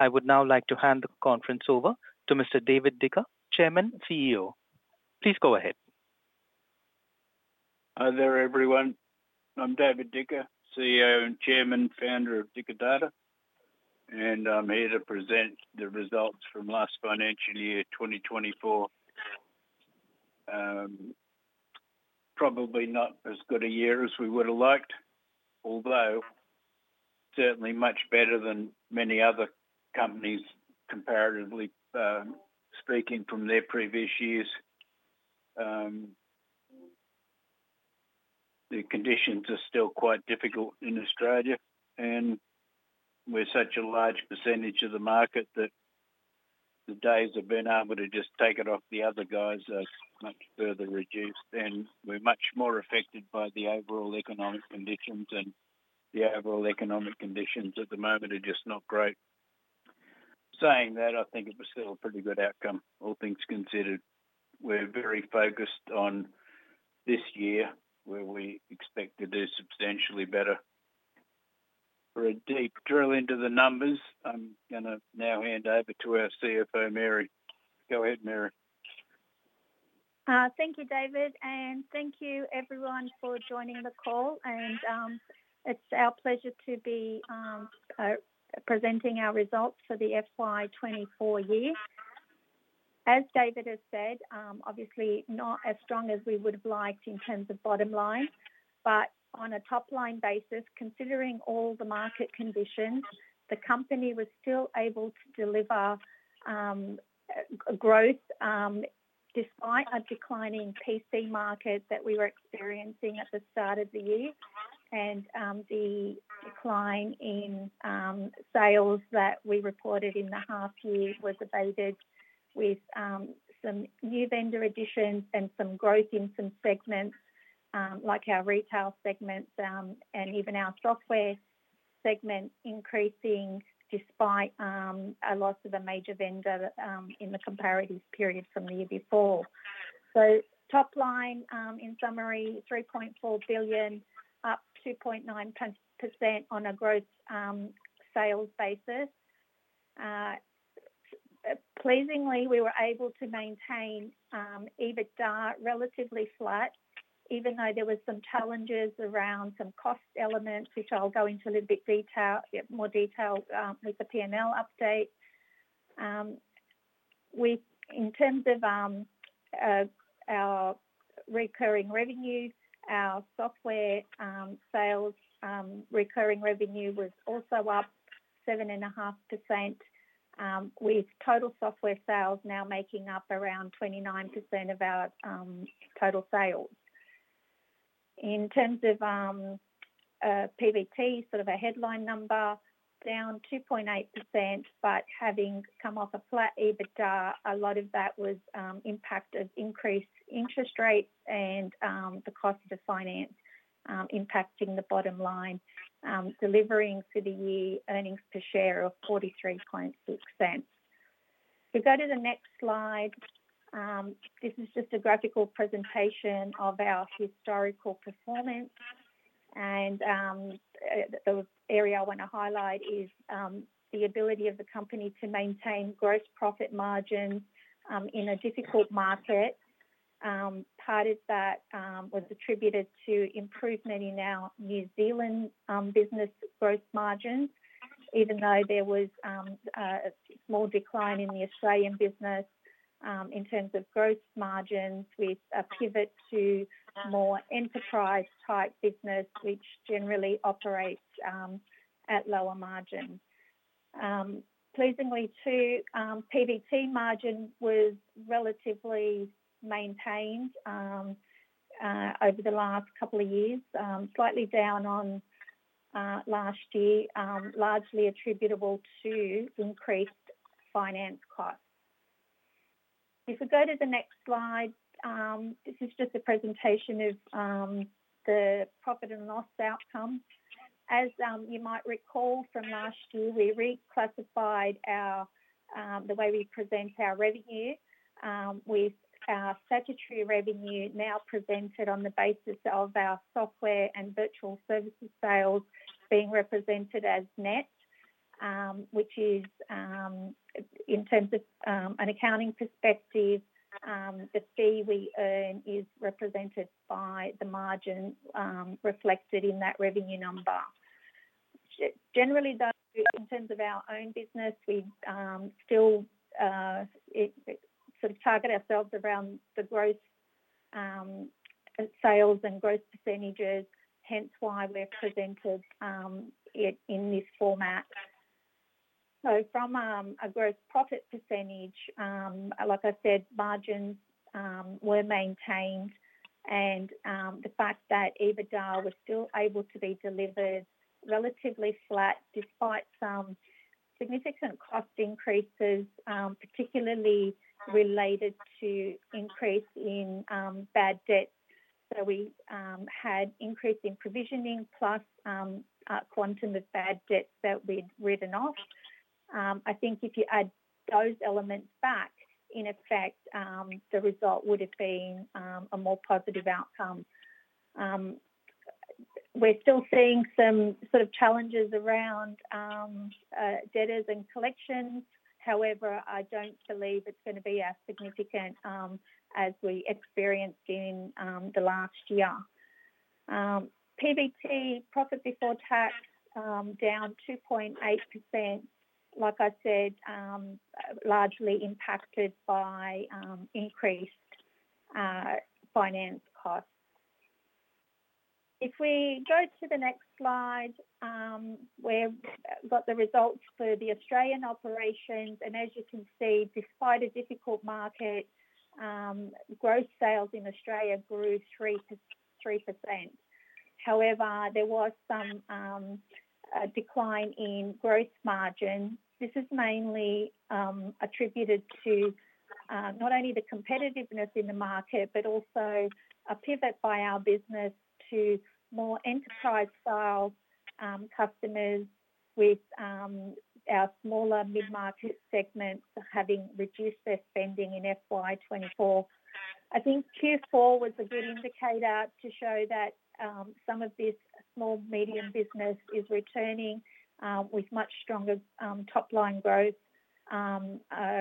I would now like to hand the conference over to Mr. David Dicker, Chairman and CEO. Please go ahead. Hi there, everyone. I'm David Dicker, CEO and Chairman, Founder of Dicker Data. And I'm here to present the results from last financial year 2024. Probably not as good a year as we would have liked, although certainly much better than many other companies, comparatively speaking, from their previous years. The conditions are still quite difficult in Australia, and we're such a large percentage of the market that the days of being able to just take it off the other guys are much further reduced. And we're much more affected by the overall economic conditions, and the overall economic conditions at the moment are just not great. Saying that, I think it was still a pretty good outcome, all things considered. We're very focused on this year, where we expect to do substantially better. For a deep drill into the numbers, I'm going to now hand over to our CFO, Mary. Go ahead, Mary. Thank you, David. Thank you, everyone, for joining the call. It's our pleasure to be presenting our results for the FY2024 year. As David has said, obviously not as strong as we would have liked in terms of bottom line, but on a top-line basis, considering all the market conditions, the company was still able to deliver growth despite a declining PC market that we were experiencing at the start of the year. The decline in sales that we reported in the half-year was abated with some new vendor additions and some growth in some segments, like our retail segments, and even our software segment increasing despite a loss of a major vendor in the comparative period from the year before. Top-line, in summary, 3.4 billion, up 2.9% on a growth sales basis. Pleasingly, we were able to maintain EBITDA relatively flat, even though there were some challenges around some cost elements, which I'll go into a little bit more detail with the P&L update. In terms of our recurring revenue, our software sales recurring revenue was also up 7.5%, with total software sales now making up around 29% of our total sales. In terms of PBT, sort of a headline number, down 2.8%, but having come off a flat EBITDA, a lot of that was impacted by increased interest rates and the cost of finance impacting the bottom line, delivering for the year earnings per share of 0.436. If we go to the next slide, this is just a graphical presentation of our historical performance, and the area I want to highlight is the ability of the company to maintain gross profit margins in a difficult market. Part of that was attributed to improvement in our New Zealand business growth margins, even though there was a small decline in the Australian business in terms of gross margins, with a pivot to more enterprise-type business, which generally operates at lower margins. Pleasingly, too, PBT margin was relatively maintained over the last couple of years, slightly down on last year, largely attributable to increased finance costs. If we go to the next slide, this is just a presentation of the Profit and Loss outcome. As you might recall from last year, we reclassified the way we present our revenue, with our statutory revenue now presented on the basis of our software and virtual services sales being represented as net, which is, in terms of an accounting perspective, the fee we earn is represented by the margin reflected in that revenue number. Generally, though, in terms of our own business, we still sort of target ourselves around the gross sales and gross percentages, hence why we're presented in this format. So from a gross profit percentage, like I said, margins were maintained, and the fact that EBITDA was still able to be delivered relatively flat despite some significant cost increases, particularly related to increase in bad debt. So we had increase in provisioning plus a quantum of bad debt that we'd written off. I think if you add those elements back, in effect, the result would have been a more positive outcome. We're still seeing some sort of challenges around debtors and collections. However, I don't believe it's going to be as significant as we experienced in the last year. PBT, profit before tax, down 2.8%. Like I said, largely impacted by increased finance costs. If we go to the next slide, we've got the results for the Australian operations, and as you can see, despite a difficult market, gross sales in Australia grew 3%. However, there was some decline in gross margin. This is mainly attributed to not only the competitiveness in the market, but also a pivot by our business to more enterprise-style customers, with our smaller mid-market segments having reduced their spending in FY2024. I think Q4 was a good indicator to show that some of this small-medium business is returning, with much stronger top-line growth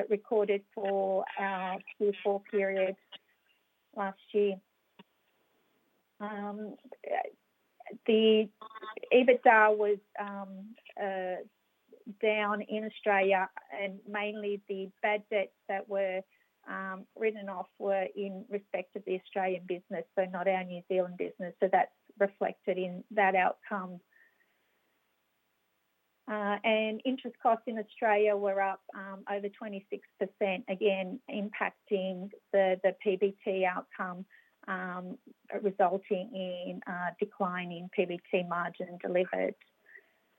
recorded for our Q4 period last year. The EBITDA was down in Australia, and mainly the bad debts that were written off were in respect of the Australian business, so not our New Zealand business, so that's reflected in that outcome. Interest costs in Australia were up over 26%, again impacting the PBT outcome, resulting in a decline in PBT margin delivered.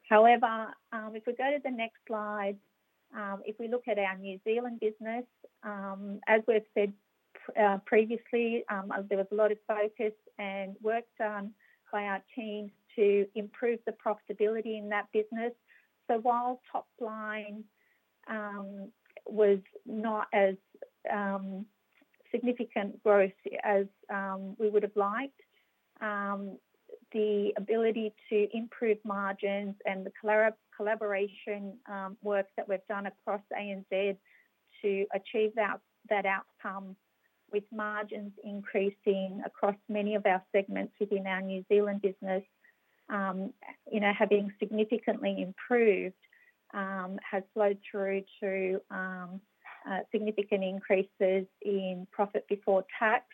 However, if we go to the next slide, if we look at our New Zealand business, as we've said previously, there was a lot of focus and work done by our teams to improve the profitability in that business. While top-line was not as significant growth as we would have liked, the ability to improve margins and the collaboration work that we've done across ANZ to achieve that outcome, with margins increasing across many of our segments within our New Zealand business, having significantly improved, has flowed through to significant increases in profit before tax.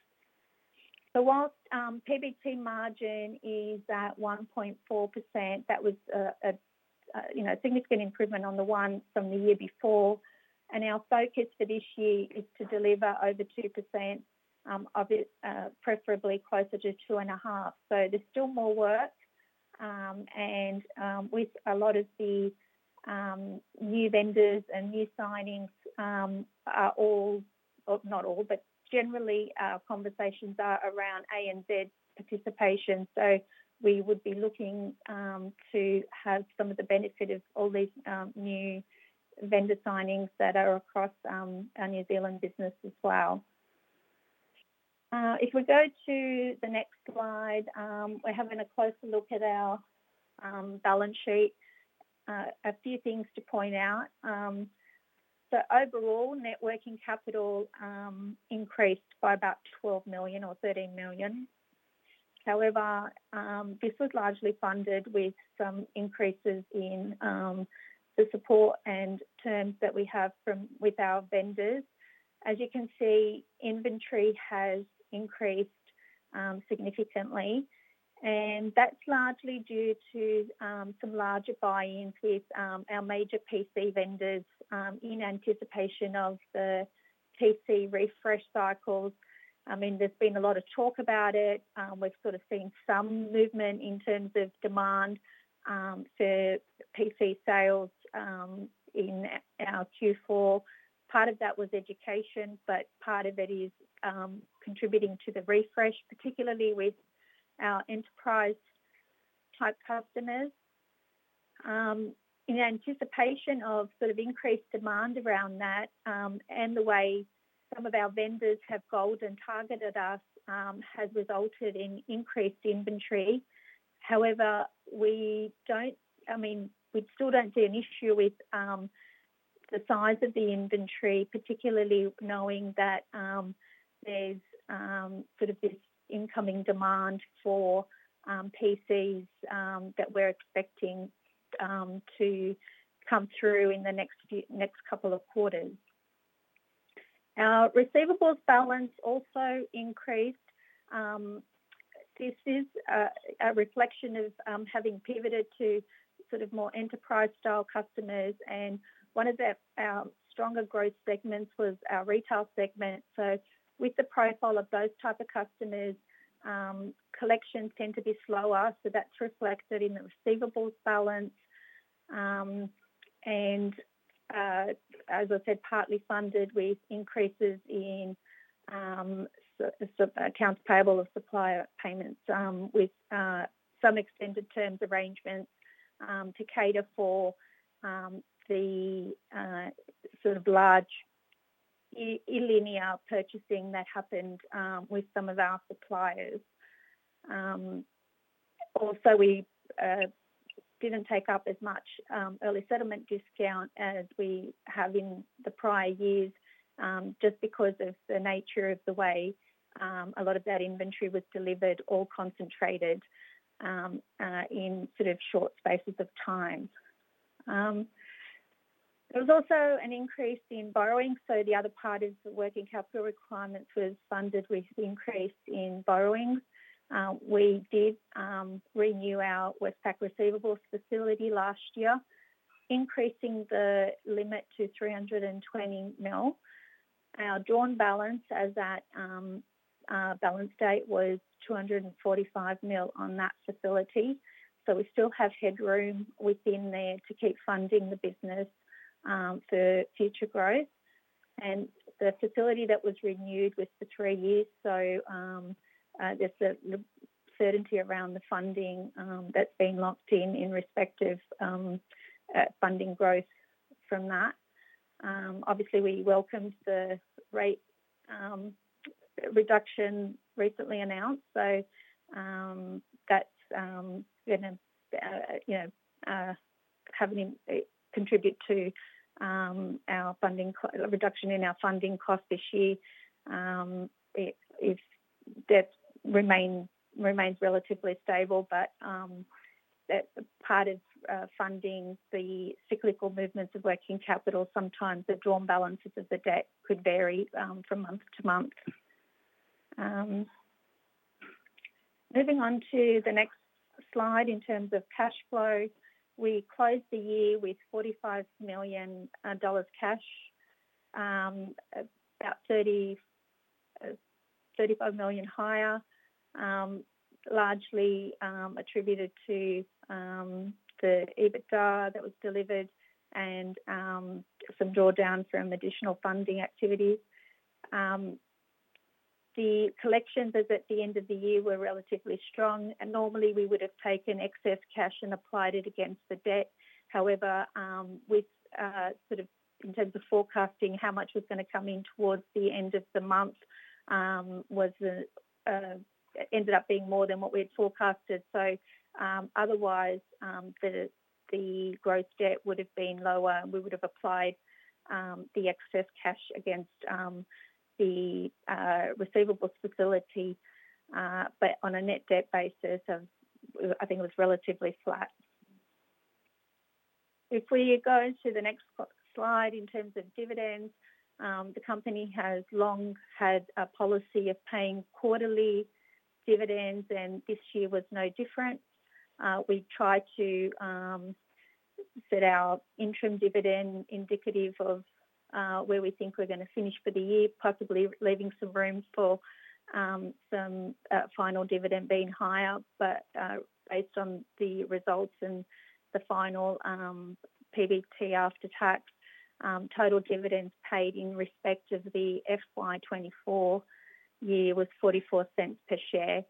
While PBT margin is at 1.4%, that was a significant improvement on the one from the year before. Our focus for this year is to deliver over 2%, preferably closer to 2.5%. So there's still more work. And with a lot of the new vendors and new signings are all, not all, but generally our conversations are around ANZ participation. So we would be looking to have some of the benefit of all these new vendor signings that are across our New Zealand business as well. If we go to the next slide, we're having a closer look at our balance sheet. A few things to point out. So overall, working capital increased by about 12 million or 13 million. However, this was largely funded with some increases in the support and terms that we have with our vendors. As you can see, inventory has increased significantly. And that's largely due to some larger buy-ins with our major PC vendors in anticipation of the PC refresh cycles. I mean, there's been a lot of talk about it. We've sort of seen some movement in terms of demand for PC sales in our Q4. Part of that was education, but part of it is contributing to the refresh, particularly with our enterprise-type customers. In anticipation of sort of increased demand around that and the way some of our vendors have goaled targeted us, has resulted in increased inventory. However, we don't—I mean, we still don't see an issue with the size of the inventory, particularly knowing that there's sort of this incoming demand for PCs that we're expecting to come through in the next couple of quarters. Our receivables balance also increased. This is a reflection of having pivoted to sort of more enterprise-style customers. And one of our stronger growth segments was our retail segment. With the profile of those types of customers, collections tend to be slower. So that's reflected in the receivables balance. And as I said, partly funded with increases in accounts payable of supplier payments, with some extended terms arrangements to cater for the sort of large linear purchasing that happened with some of our suppliers. Also, we didn't take up as much early settlement discount as we have in the prior years, just because of the nature of the way a lot of that inventory was delivered or concentrated in sort of short spaces of time. There was also an increase in borrowing. So the other part of the working capital requirements was funded with increase in borrowing. We did renew our Westpac receivables facility last year, increasing the limit to 320 million. Our drawn balance as at that balance date was 245 million on that facility. So we still have headroom within there to keep funding the business for future growth. And the facility that was renewed was for three years. So there's a certainty around the funding that's been locked in in respect of funding growth from that. Obviously, we welcomed the rate reduction recently announced. So that's going to contribute to our reduction in our funding costs this year. That remains relatively stable, but that's part of funding the cyclical movements of working capital. Sometimes the drawn balances of the debt could vary from month to month. Moving on to the next slide in terms of cash flow. We closed the year with 45 million dollars cash, about 35 million higher, largely attributed to the EBITDA that was delivered and some drawdown from additional funding activities. The collections at the end of the year were relatively strong. Normally, we would have taken excess cash and applied it against the debt. However, with sort of in terms of forecasting how much was going to come in towards the end of the month, it ended up being more than what we had forecasted. Otherwise, the gross debt would have been lower, and we would have applied the excess cash against the receivables facility, but on a net debt basis, I think it was relatively flat. If we go to the next slide in terms of dividends, the company has long had a policy of paying quarterly dividends, and this year was no different. We tried to set our interim dividend indicative of where we think we're going to finish for the year, possibly leaving some room for some final dividend being higher. But based on the results and the final PBT after-tax, total dividends paid in respect of the FY2024 year was 44 cents per share.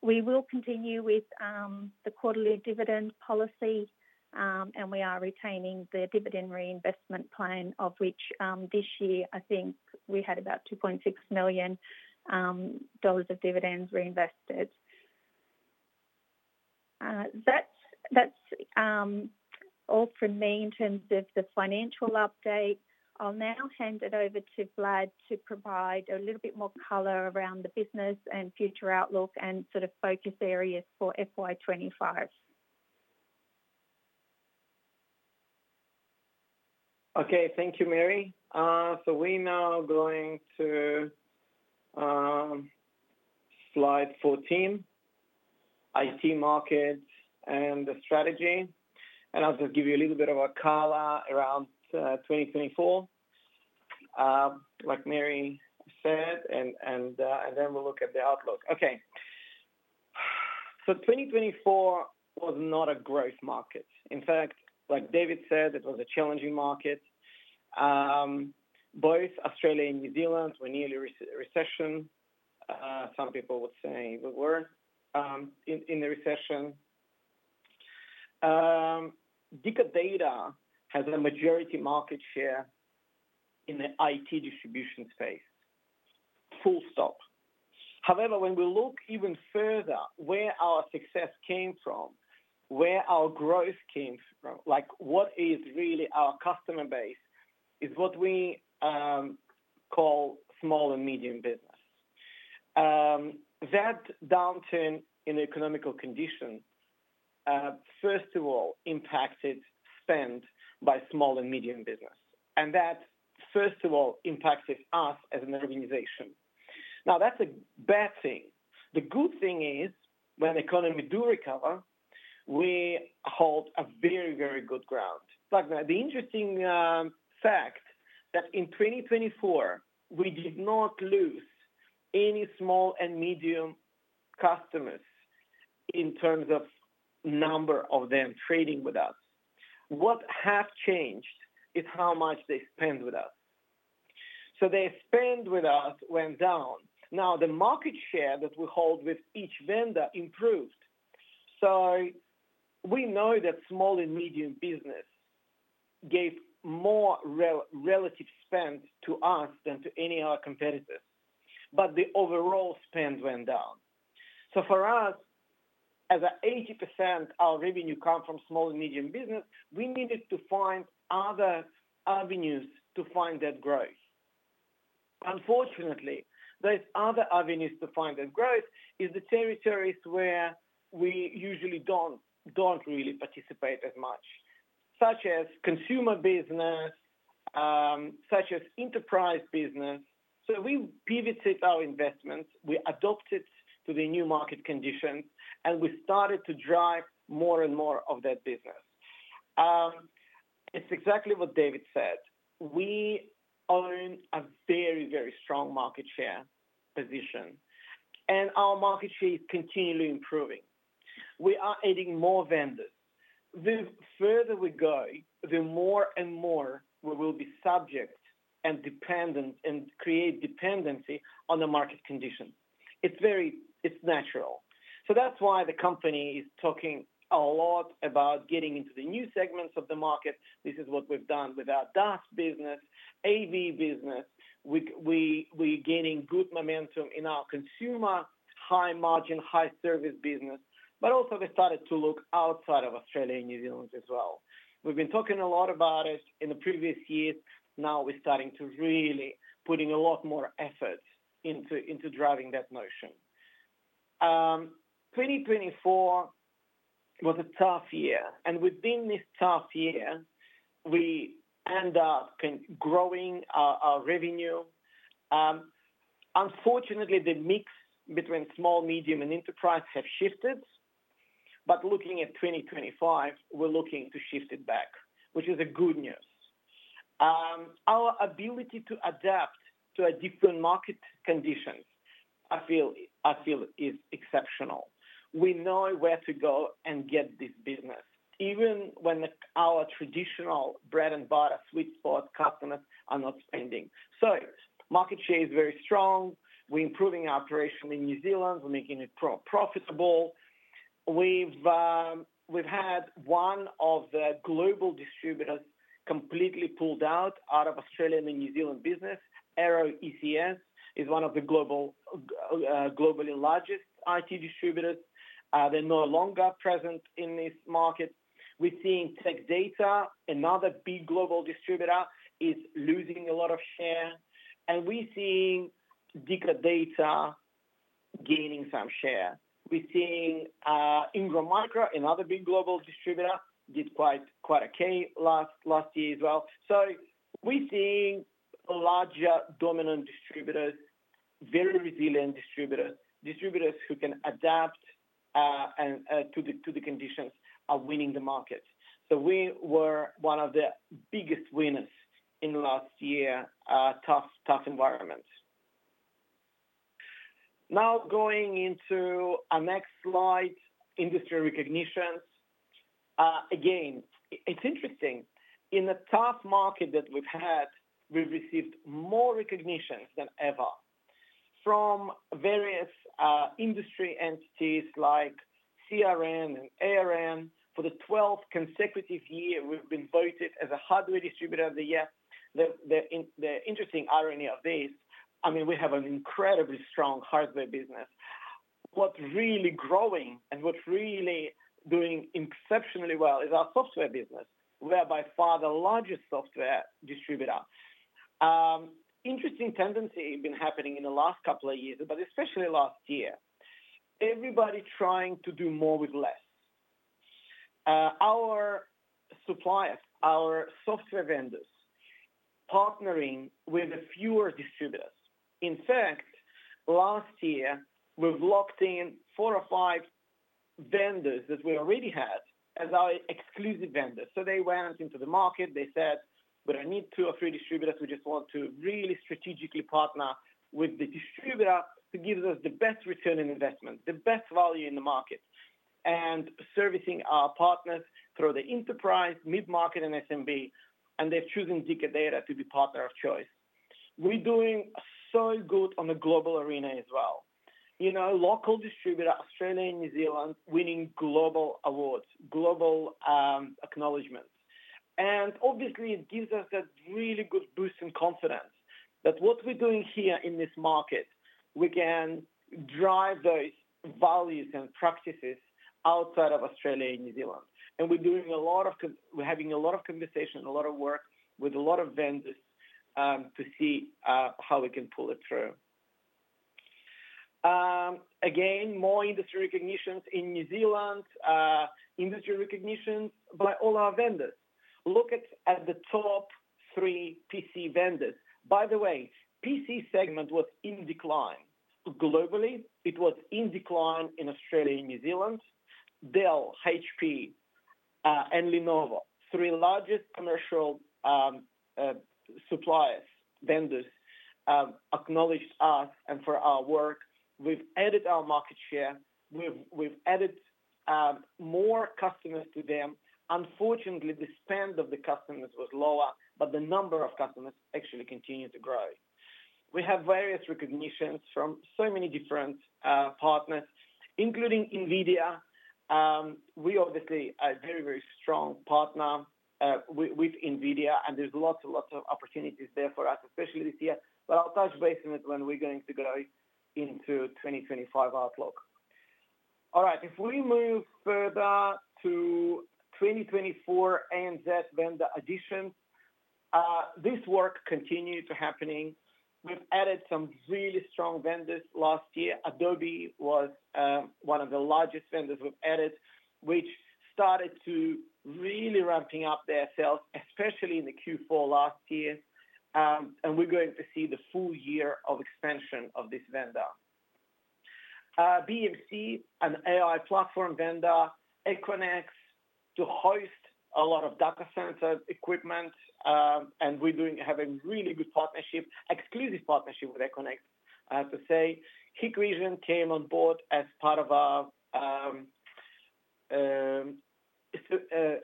We will continue with the quarterly dividend policy, and we are retaining the Dividend Reinvestment Plan, of which this year, I think we had about $2.6 million of dividends reinvested. That's all from me in terms of the financial update. I'll now hand it over to Vlad to provide a little bit more color around the business and future outlook and sort of focus areas for FY2025. Okay. Thank you, Mary. So we're now going to Slide 14, IT Markets and the Strategy. And I'll just give you a little bit of a color around 2024, like Mary said, and then we'll look at the outlook. Okay. So 2024 was not a growth market. In fact, like David said, it was a challenging market. Both Australia and New Zealand were nearly in recession. Some people would say we were in the recession. Dicker Data has a majority market share in the IT distribution space. Full stop. However, when we look even further, where our success came from, where our growth came from, what is really our customer base is what we call small and medium business. That downturn in the economic condition, first of all, impacted spend by small and medium business. And that, first of all, impacted us as an organization. Now, that's a bad thing. The good thing is, when the economy do recover, we hold a very, very good ground. The interesting fact that in 2024, we did not lose any small and medium customers in terms of number of them trading with us. What has changed is how much they spend with us. So their spend with us went down. Now, the market share that we hold with each vendor improved. So we know that Small and Medium Business gave more relative spend to us than to any of our competitors. But the overall spend went down. So for us, as 80% of our revenue comes from Small and Medium Business, we needed to find other avenues to find that growth. Unfortunately, those other avenues to find that growth are the territories where we usually don't really participate as much, such as consumer business, such as enterprise business. So we pivoted our investments. We adapted to the new market conditions, and we started to drive more and more of that business. It's exactly what David said. We own a very, very strong market share position, and our market share is continually improving. We are adding more vendors. The further we go, the more and more we will be subject and dependent and create dependency on the market conditions. It's natural. That's why the company is talking a lot about getting into the new segments of the market. This is what we've done with our DAS business, AV business. We're gaining good momentum in our consumer, high-margin, high-service business. But also, we started to look outside of Australia and New Zealand as well. We've been talking a lot about it in the previous years. Now, we're starting to really put in a lot more effort into driving that motion. 2024 was a tough year, and within this tough year, we ended up growing our revenue. Unfortunately, the mix between Small, Medium, and Enterprise has shifted, but looking at 2025, we're looking to shift it back, which is good news. Our ability to adapt to different market conditions, I feel, is exceptional. We know where to go and get this business, even when our traditional bread-and-butter sweet spot customers are not spending, so market share is very strong. We're improving our operation in New Zealand. We're making it profitable. We've had one of the global distributors completely pulled out of Australian and New Zealand business. Arrow ECS is one of the globally largest IT distributors. They're no longer present in this market. We're seeing Tech Data, another big global distributor, is losing a lot of share, and we're seeing Dicker Data gaining some share. We're seeing Ingram Micro, another big global distributor, did quite okay last year as well. So we're seeing larger dominant distributors, very resilient distributors, distributors who can adapt to the conditions, are winning the market. So we were one of the biggest winners in last year, tough environment. Now, going into our next slide, Industry Recognitions. Again, it's interesting. In the tough market that we've had, we've received more recognition than ever from various industry entities like CRN and ARN. For the 12th consecutive year, we've been voted as a Hardware Distributor of the Year. The interesting irony of this, I mean, we have an incredibly strong hardware business. What's really growing and what's really doing exceptionally well is our software business. We are by far the largest software distributor. Interesting tendency has been happening in the last couple of years, but especially last year. Everybody trying to do more with less. Our suppliers, our software vendors, partnering with fewer distributors. In fact, last year, we've locked in four or five vendors that we already had as our exclusive vendors. So they went into the market. They said, "We don't need two or three distributors. We just want to really strategically partner with the distributor who gives us the best Return on Investment, the best value in the market," and servicing our partners through the Enterprise, Mid-Market, and SMB, and they've chosen Dicker Data to be partner of choice. We're doing so good on the global arena as well. Local distributor, Australia and New Zealand, winning global awards, global acknowledgments, and obviously, it gives us that really good boost in confidence that what we're doing here in this market, we can drive those values and practices outside of Australia and New Zealand. And we're having a lot of conversation, a lot of work with a lot of vendors to see how we can pull it through. Again, more industry recognitions in New Zealand, industry recognitions by all our vendors. Look at the top three PC vendors. By the way, PC segment was in decline. Globally, it was in decline in Australia and New Zealand. Dell, HP, and Lenovo, three largest commercial suppliers, vendors, acknowledged us and for our work. We've added our market share. We've added more customers to them. Unfortunately, the spend of the customers was lower, but the number of customers actually continued to grow. We have various recognitions from so many different partners, including NVIDIA. We obviously are a very, very strong partner with NVIDIA, and there's lots and lots of opportunities there for us, especially this year. But I'll touch base on it when we're going to go into 2025 outlook. All right. If we move further to 2024 New Vendor Additions, this work continued to happen. We've added some really strong vendors last year. Adobe was one of the largest vendors we've added, which started to really ramp up their sales, especially in the Q4 last year. And we're going to see the full year of expansion of this vendor. BMC, an AI platform vendor. Equinix to host a lot of data center equipment. And we have a really good partnership, exclusive partnership with Equinix, I have to say. Hikvision came on board as part of our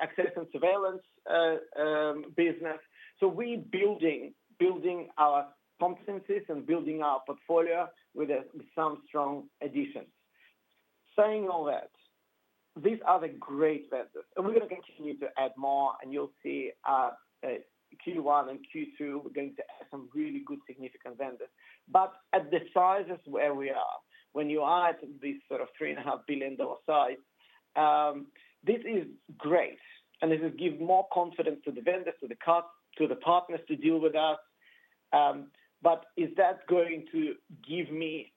access and surveillance business. So we're building our competencies and building our portfolio with some strong additions. Saying all that, these are the great vendors. We're going to continue to add more, and you'll see Q1 and Q2. We're going to add some really good significant vendors. At the sizes where we are, when you add this sort of 3.5 billion dollar size, this is great. This will give more confidence to the vendors, to the partners to deal with us. Is that going to give me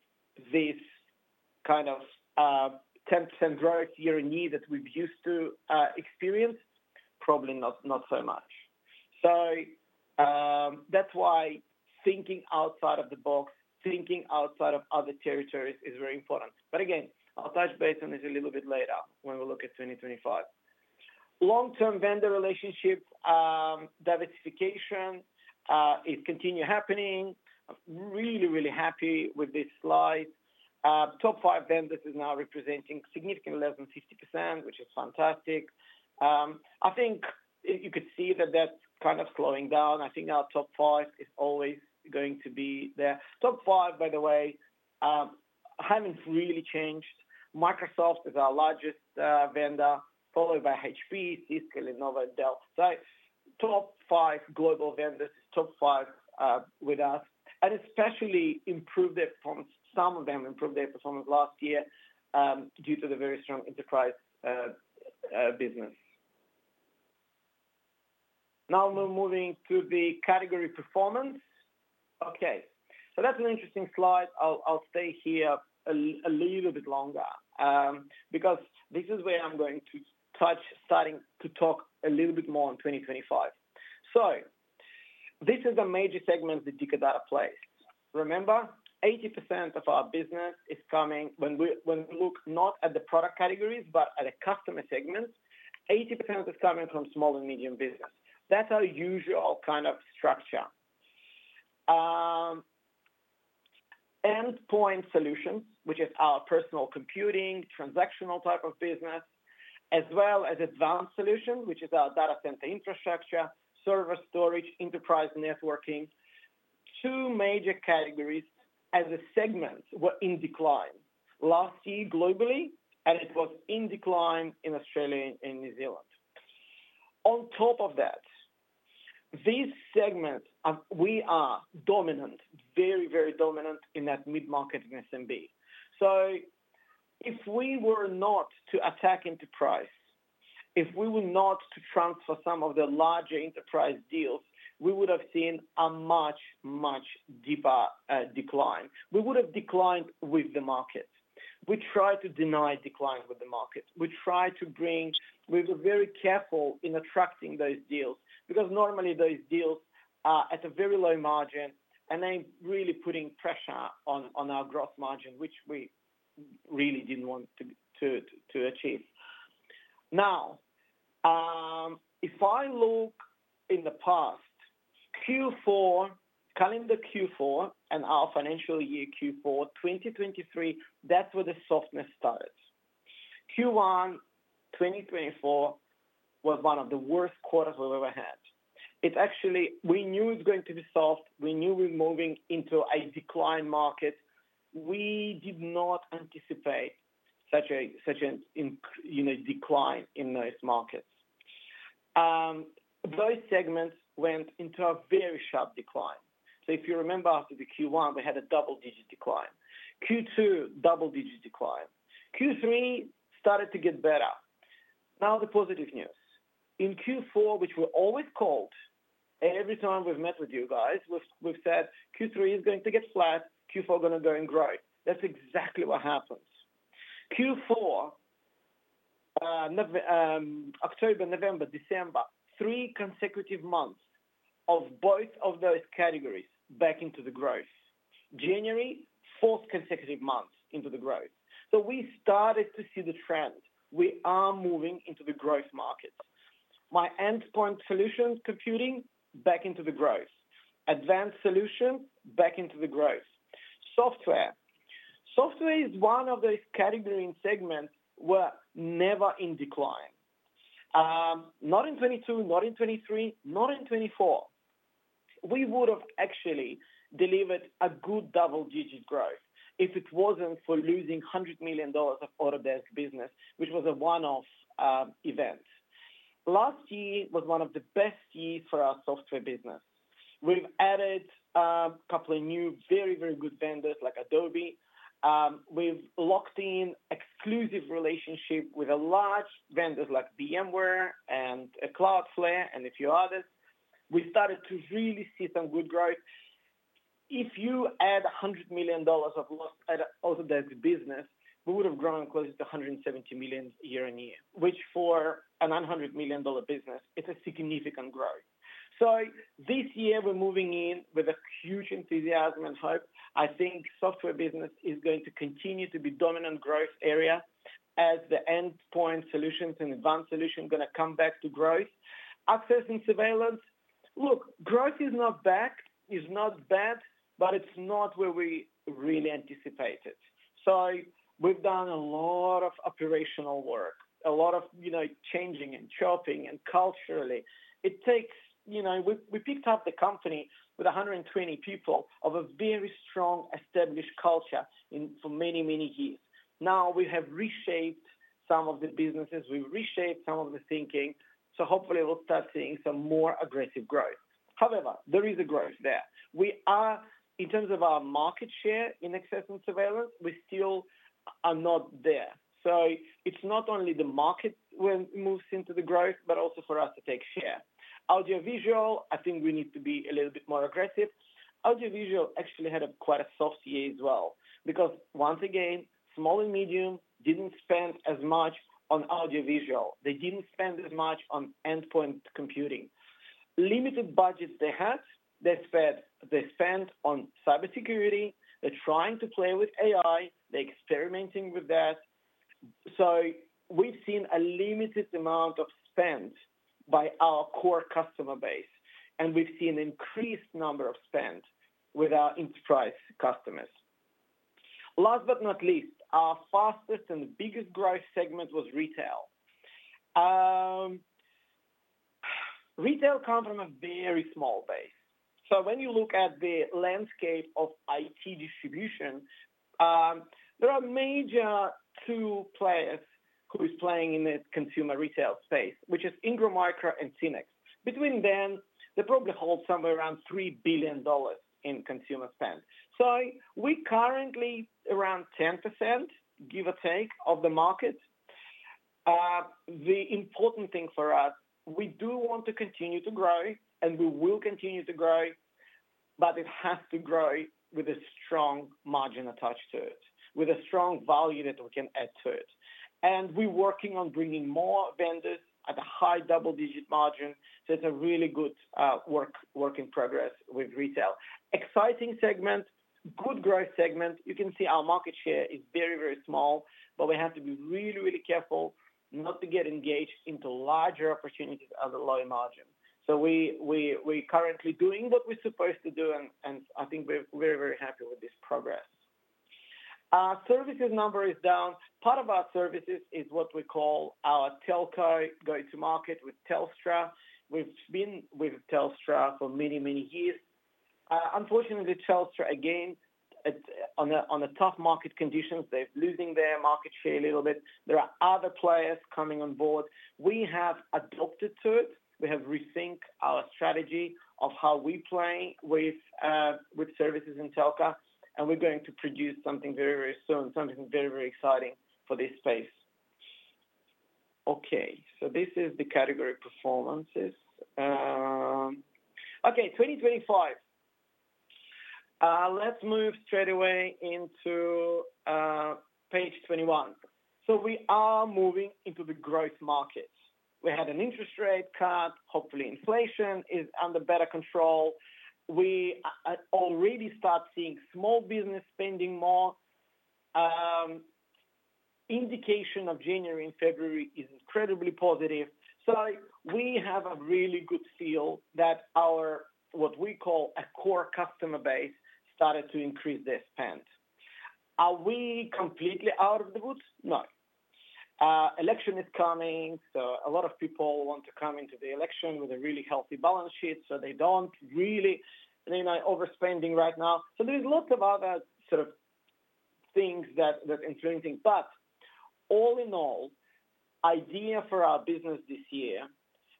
this kind of 10% growth year-over-year that we've used to experience? Probably not so much. That's why thinking outside of the box, thinking outside of other territories is very important. Again, I'll touch base on this a little bit later when we look at 2025. Long-term vendor relationship diversification is continuing to happen. I'm really, really happy with this slide. Top five vendors are now representing significantly less than 50%, which is fantastic. I think you could see that that's kind of slowing down. I think our top five is always going to be there. Top five, by the way, haven't really changed. Microsoft is our largest vendor, followed by HP, Cisco, Lenovo, and Dell. So top five global vendors is top five with us, and especially improved their performance. Some of them improved their performance last year due to the very strong enterprise business. Now, we're moving to the Category Performance. Okay. So that's an interesting slide. I'll stay here a little bit longer because this is where I'm going to start to talk a little bit more on 2025. So this is the major segment that Dicker Data plays. Remember, 80% of our business is coming when we look not at the product categories, but at the customer segments, 80% is coming from Small and Medium Business. That's our usual kind of structure: Endpoint Solutions, which is our personal computing, transactional type of business, as well as Advanced Solutions, which is our data center infrastructure, server storage, enterprise networking. Two major categories as a segment were in decline last year globally, and it was in decline in Australia and New Zealand. On top of that, these segments, we are dominant, very, very dominant in that Mid-Market and SMB. So if we were not to attack Enterprise, if we were not to transfer some of the larger Enterprise deals, we would have seen a much, much deeper decline. We would have declined with the market. We try to defy decline with the market. We try to bring. We were very careful in attracting those deals because normally those deals are at a very low margin, and they're really putting pressure on our gross margin, which we really didn't want to achieve. Now, if I look in the past, Q4, Calendar Q4, and our Financial Year Q4, 2023, that's where the softness started. Q1, 2024, was one of the worst quarters we've ever had. We knew it's going to be soft. We knew we're moving into a decline market. We did not anticipate such a decline in those markets. Those segments went into a very sharp decline. So if you remember after the Q1, we had a double-digit decline. Q2, double-digit decline. Q3 started to get better. Now, the positive news. In Q4, which we're always called, every time we've met with you guys, we've said, "Q3 is going to get flat. Q4 is going to go and grow." That's exactly what happens. Q4, October, November, December, three consecutive months of both of those categories back into the growth. January, fourth consecutive month into the growth. So we started to see the trend. We are moving into the growth markets. My Endpoint Solution computing, back into the growth. Advanced Solution, back into the growth. Software. Software is one of those category and segments were never in decline. Not in 2022, not in 2023, not in 2024. We would have actually delivered a good double-digit growth if it wasn't for losing $100 million of Autodesk business, which was a one-off event. Last year was one of the best years for our software business. We've added a couple of new, very, very good vendors like Adobe. We've locked in exclusive relationships with large vendors like VMware and Cloudflare and a few others. We started to really see some good growth. If you add 100 million dollars of loss at Autodesk business, we would have grown close to 170 million year-on-year, which for a 900 million dollar business, it's a significant growth. So this year, we're moving in with a huge enthusiasm and hope. I think software business is going to continue to be a dominant growth area as the Endpoint Solutions and Advanced Solutions are going to come back to growth. Access and Surveillance. Look, growth is not bad. It's not bad, but it's not where we really anticipated. So we've done a lot of operational work, a lot of changing and chopping and culturally. We picked up the company with 120 people of a very strong established culture for many, many years. Now, we have reshaped some of the businesses. We've reshaped some of the thinking. So hopefully, we'll start seeing some more aggressive growth. However, there is a growth there. In terms of our market share in Access and Surveillance, we still are not there. So it's not only the market moves into the growth, but also for us to take share. Audiovisual, I think we need to be a little bit more aggressive. Audiovisual actually had quite a soft year as well because, once again, small and medium didn't spend as much on audiovisual. They didn't spend as much on Endpoint Computing. Limited budgets they had. They spent on cybersecurity. They're trying to play with AI. They're experimenting with that. So we've seen a limited amount of spend by our core customer base. And we've seen an increased number of spend with our Enterprise customers. Last but not least, our fastest and biggest growth segment was Retail. Retail comes from a very small base. So when you look at the landscape of IT distribution, there are major two players who are playing in the Consumer Retail space, which is Ingram Micro and Synnex. Between them, they probably hold somewhere around 3 billion dollars in consumer spend. So we're currently around 10%, give or take, of the market. The important thing for us, we do want to continue to grow, and we will continue to grow, but it has to grow with a strong margin attached to it, with a strong value that we can add to it. And we're working on bringing more vendors at a high double-digit margin. So it's a really good work in progress with Retail. Exciting segment, good growth segment. You can see our market share is very, very small, but we have to be really, really careful not to get engaged into larger opportunities at a low margin. So we're currently doing what we're supposed to do, and I think we're very, very happy with this progress. Our Services number is down. Part of our services is what we call our telco going to market with Telstra. We've been with Telstra for many, many years. Unfortunately, Telstra, again, on the tough market conditions, they're losing their market share a little bit. There are other players coming on board. We have adapted to it. We have re-thought our strategy of how we play with Services and telco, and we're going to produce something very, very soon, something very, very exciting for this space. Okay. So this is the Category Performances. Okay. 2025. Let's move straight away into page 21. So we are moving into the growth markets. We had an interest rate cut. Hopefully, inflation is under better control. We already start seeing small business spending more. Indication of January and February is incredibly positive. So we have a really good feel that what we call a core customer base started to increase their spend. Are we completely out of the woods? No. Election is coming. So a lot of people want to come into the election with a really healthy balance sheet, so they don't really mean overspending right now. So there's lots of other sort of things that are influencing. But all in all, the idea for our business this year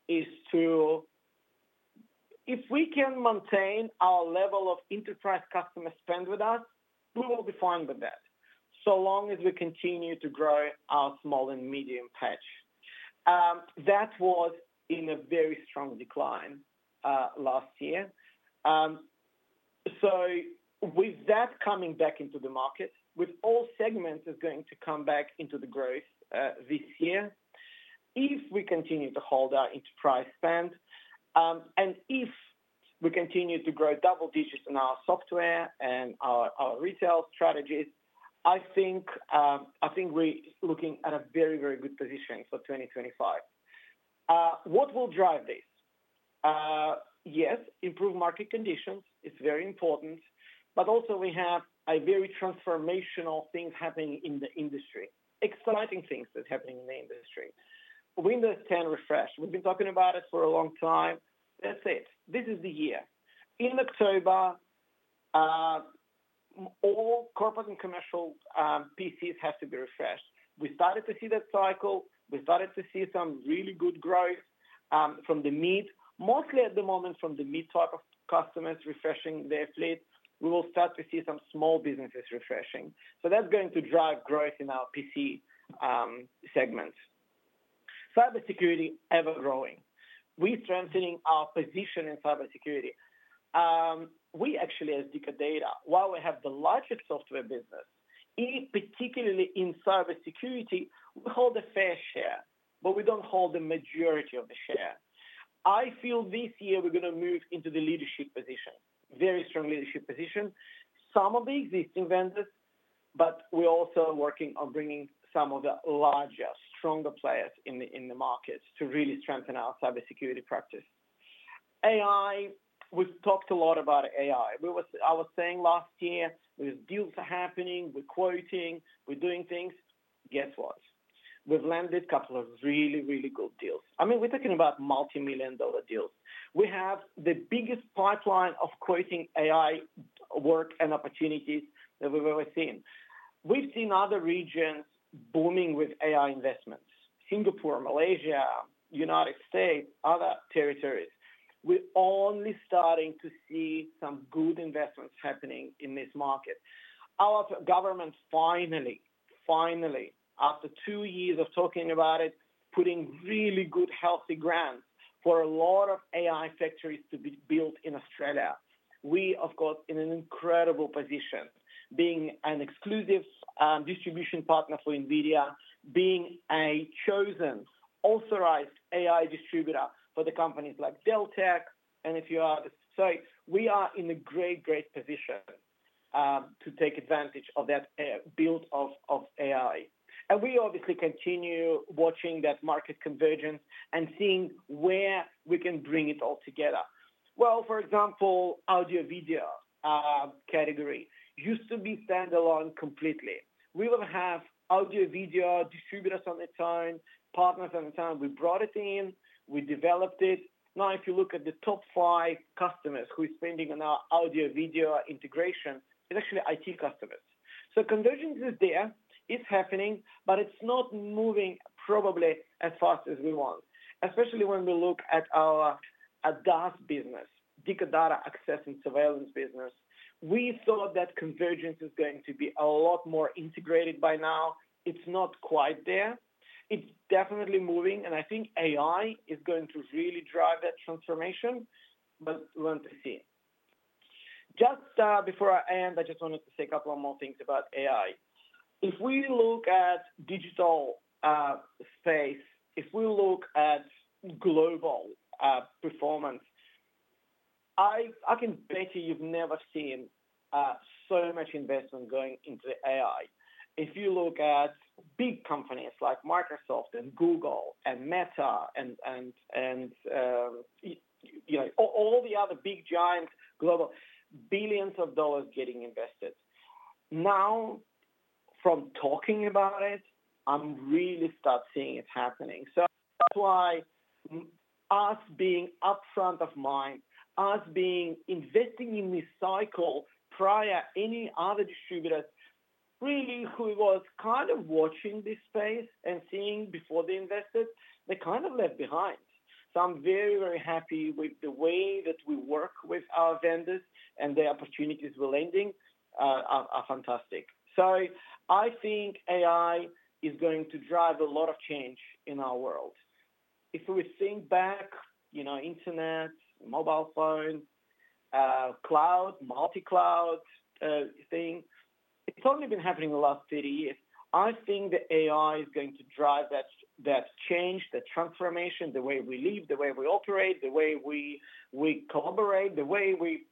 is to, if we can maintain our level of Enterprise customer spend with us, we will be fine with that so long as we continue to grow our small and medium patch. That was in a very strong decline last year. So with that coming back into the market, with all segments going to come back into the growth this year, if we continue to hold our Enterprise spend and if we continue to grow double digits in our software and our Retail strategies, I think we're looking at a very, very good position for 2025. What will drive this? Yes, improved market conditions is very important. But also, we have very transformational things happening in the industry, exciting things that are happening in the industry. Windows 10 Refresh. We've been talking about it for a long time. That's it. This is the year. In October, all corporate and commercial PCs have to be refreshed. We started to see that cycle. We started to see some really good growth from the mid. Mostly at the moment, from the mid type of customers refreshing their fleet, we will start to see some small businesses refreshing. So that's going to drive growth in our PC segments. Cybersecurity ever-growing. We're strengthening our position in Cybersecurity. We actually, as Dicker Data, while we have the largest software business, particularly in cybersecurity, we hold a fair share, but we don't hold the majority of the share. I feel this year we're going to move into the leadership position, very strong leadership position. Some of the existing vendors, but we're also working on bringing some of the larger, stronger players in the markets to really strengthen our Cybersecurity practice. AI. We've talked a lot about AI. I was saying last year, with deals happening, we're quoting, we're doing things. Guess what? We've landed a couple of really, really good deals. I mean, we're talking about multi-million dollar deals. We have the biggest pipeline of quoting AI work and opportunities that we've ever seen. We've seen other regions booming with AI investments: Singapore, Malaysia, United States, other territories. We're only starting to see some good investments happening in this market. Our government finally, finally, after two years of talking about it, is putting really good, healthy grants for a lot of AI factories to be built in Australia. We, of course, are in an incredible position, being an exclusive distribution partner for NVIDIA, being a chosen, authorized AI distributor for companies like Dell Tech and a few others. So we are in a great, great position to take advantage of that build of AI. And we obviously continue watching that market convergence and seeing where we can bring it all together. Well, for example, Audiovisual category used to be standalone completely. We would have Audiovisual distributors on the ton, partners on the ton. We brought it in. We developed it. Now, if you look at the top five customers who are spending on our audio-video integration, it's actually IT customers. So convergence is there. It's happening, but it's not moving probably as fast as we want, especially when we look at our DAS business, Dicker Data Access and Surveillance business. We thought that convergence was going to be a lot more integrated by now. It's not quite there. It's definitely moving. And I think AI is going to really drive that transformation, but we'll have to see. Just before I end, I just wanted to say a couple of more things about AI. If we look at digital space, if we look at global performance, I can bet you've never seen so much investment going into AI. If you look at big companies like Microsoft and Google and Meta and all the other big giants, global, billions of dollars getting invested. Now, from talking about it, I'm really starting to see it happening. So that's why us being up front of mind, us being investing in this cycle prior to any other distributors, really, who were kind of watching this space and seeing before they invested, they kind of left behind. So I'm very, very happy with the way that we work with our vendors and the opportunities we're landing are fantastic. So I think AI is going to drive a lot of change in our world. If we think back, internet, mobile phone, cloud, multi-cloud thing, it's only been happening the last 30 years. I think that AI is going to drive that change, that transformation, the way we live, the way we operate, the way we collaborate, the way we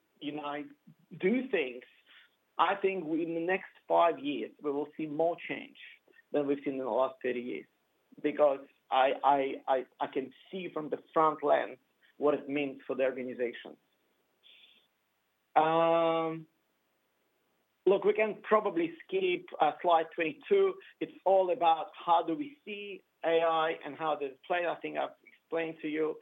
do things. I think in the next five years, we will see more change than we've seen in the last 30 years because I can see from the front lines what it means for the organization. Look, we can probably skip Slide 22. It's all about how do we see AI and how does it play. I think I've explained to you.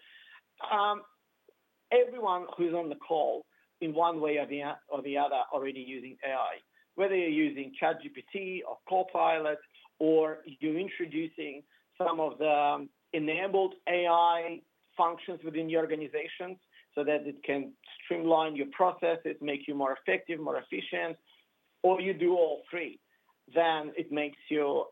Everyone who's on the call, in one way or the other, is already using AI, whether you're using ChatGPT or Copilot or you're introducing some of the enabled AI functions within your organizations so that it can streamline your processes, make you more effective, more efficient, or you do all three, then it makes you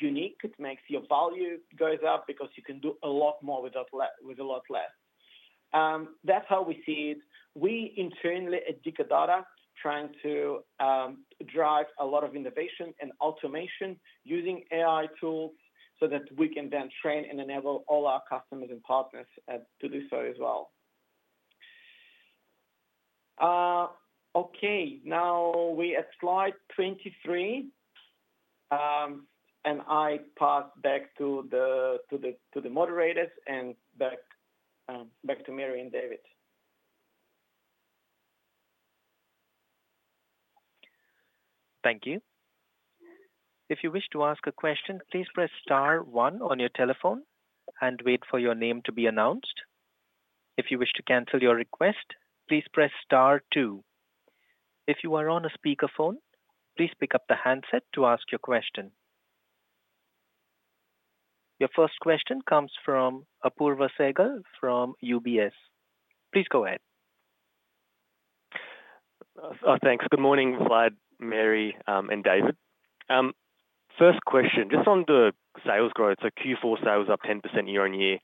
unique. It makes your value go up because you can do a lot more with a lot less. That's how we see it. We internally at Dicker Data are trying to drive a lot of innovation and automation using AI tools so that we can then train and enable all our customers and partners to do so as well. Okay. Now, we're at Slide 23, and I pass back to the moderators and back to Mary and David. Thank you. If you wish to ask a question, please press star one on your telephone and wait for your name to be announced. If you wish to cancel your request, please press star two. If you are on a speakerphone, please pick up the handset to ask your question. Your first question comes from Apoorv Sehgal from UBS. Please go ahead. Thanks. Good morning, Vlad, Mary, and David. First question, just on the sales growth. So Q4 sales are up 10% year-on-year.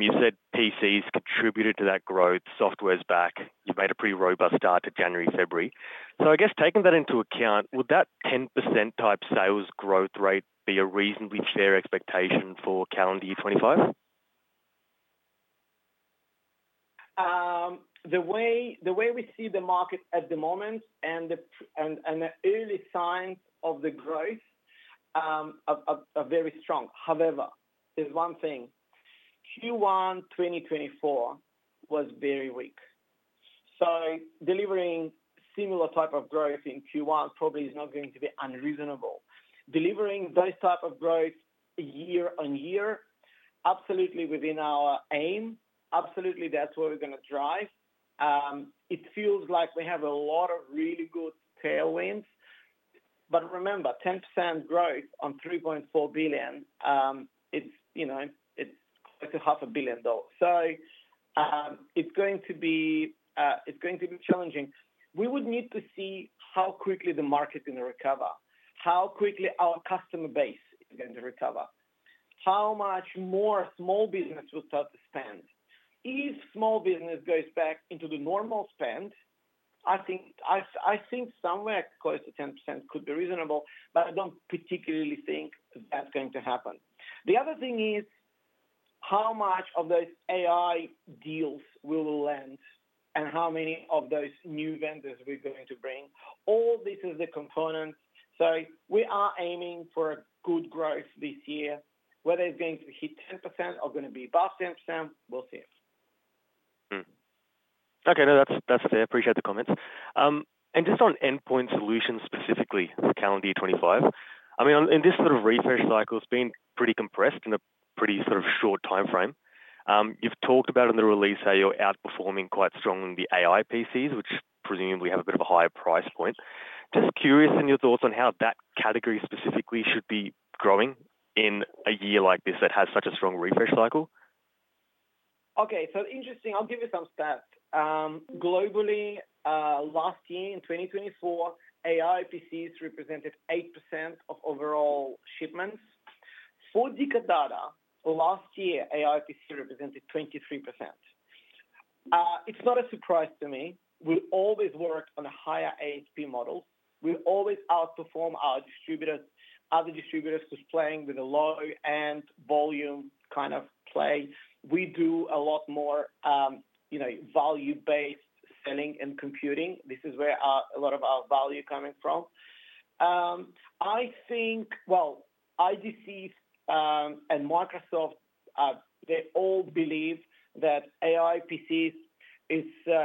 You said PCs contributed to that growth. Software is back. You've made a pretty robust start to January, February. So I guess taking that into account, would that 10% type sales growth rate be a reasonably fair expectation for calendar year 2025? The way we see the market at the moment and the early signs of the growth are very strong. However, there's one thing: Q1 2024 was very weak. So delivering a similar type of growth in Q1 probably is not going to be unreasonable. Delivering those types of growth year-on-year, absolutely within our aim, absolutely that's what we're going to drive. It feels like we have a lot of really good tailwinds. But remember, 10% growth on 3.4 billion, it's close to 500 million dollars, though. So it's going to be challenging. We would need to see how quickly the market is going to recover, how quickly our customer base is going to recover, how much more small business will start to spend. If small business goes back into the normal spend, I think somewhere close to 10% could be reasonable, but I don't particularly think that's going to happen. The other thing is how much of those AI deals we will land and how many of those new vendors we're going to bring. All this is the components. So we are aiming for good growth this year. Whether it's going to hit 10% or going to be above 10%, we'll see. Okay. No, that's fair. Appreciate the comments. And just on Endpoint Solutions specifically for calendar year 2025, I mean, in this sort of refresh cycle, it's been pretty compressed in a pretty sort of short timeframe. You've talked about in the release how you're outperforming quite strongly the AI PCs, which presumably have a bit of a higher price point. Just curious in your thoughts on how that category specifically should be growing in a year like this that has such a strong refresh cycle? Okay. So interesting. I'll give you some stats. Globally, last year in 2024, AI PCs represented 8% of overall shipments. For Dicker Data, last year, AI PC represented 23%. It's not a surprise to me. We always work on a higher ASP model. We always outperform our distributors. Other distributors are playing with a low-end volume kind of play. We do a lot more value-based selling and computing. This is where a lot of our value is coming from. I think, well, IDC and Microsoft, they all believe that AI PCs are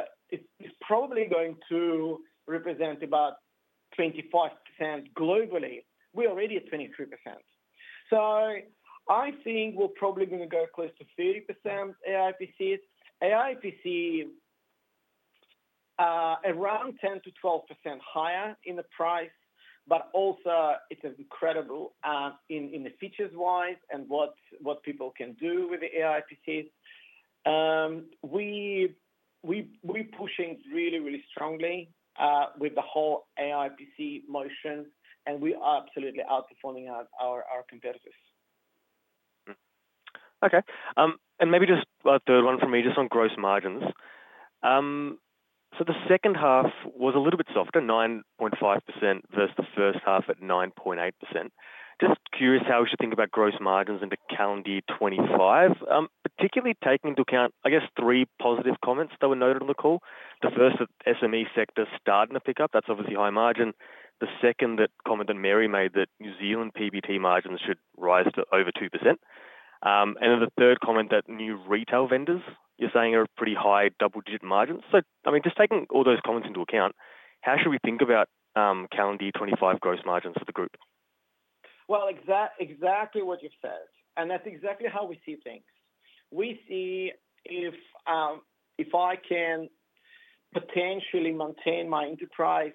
probably going to represent about 25% globally. We're already at 23%. So I think we're probably going to go close to 30% AI PCs. AI PC is around 10%-12% higher in the price, but also it's incredible in the features-wise and what people can do with the AI PCs. We're pushing really, really strongly with the whole AI PC motion, and we are absolutely outperforming our competitors. Okay. And maybe just the third one from me, just on gross margins. So the second half was a little bit softer, 9.5% versus the first half at 9.8%. Just curious how we should think about gross margins into calendar year 2025, particularly taking into account, I guess, three positive comments that were noted on the call. The first, that SME sector is starting to pick up. That's obviously high margin. The second, that comment that Mary made that New Zealand PBT margins should rise to over 2%. And then the third comment that new retail vendors, you're saying, are at pretty high double-digit margins. So, I mean, just taking all those comments into account, how should we think about calendar year 2025 gross margins for the group? Exactly what you've said. And that's exactly how we see things. We see if I can potentially maintain my Enterprise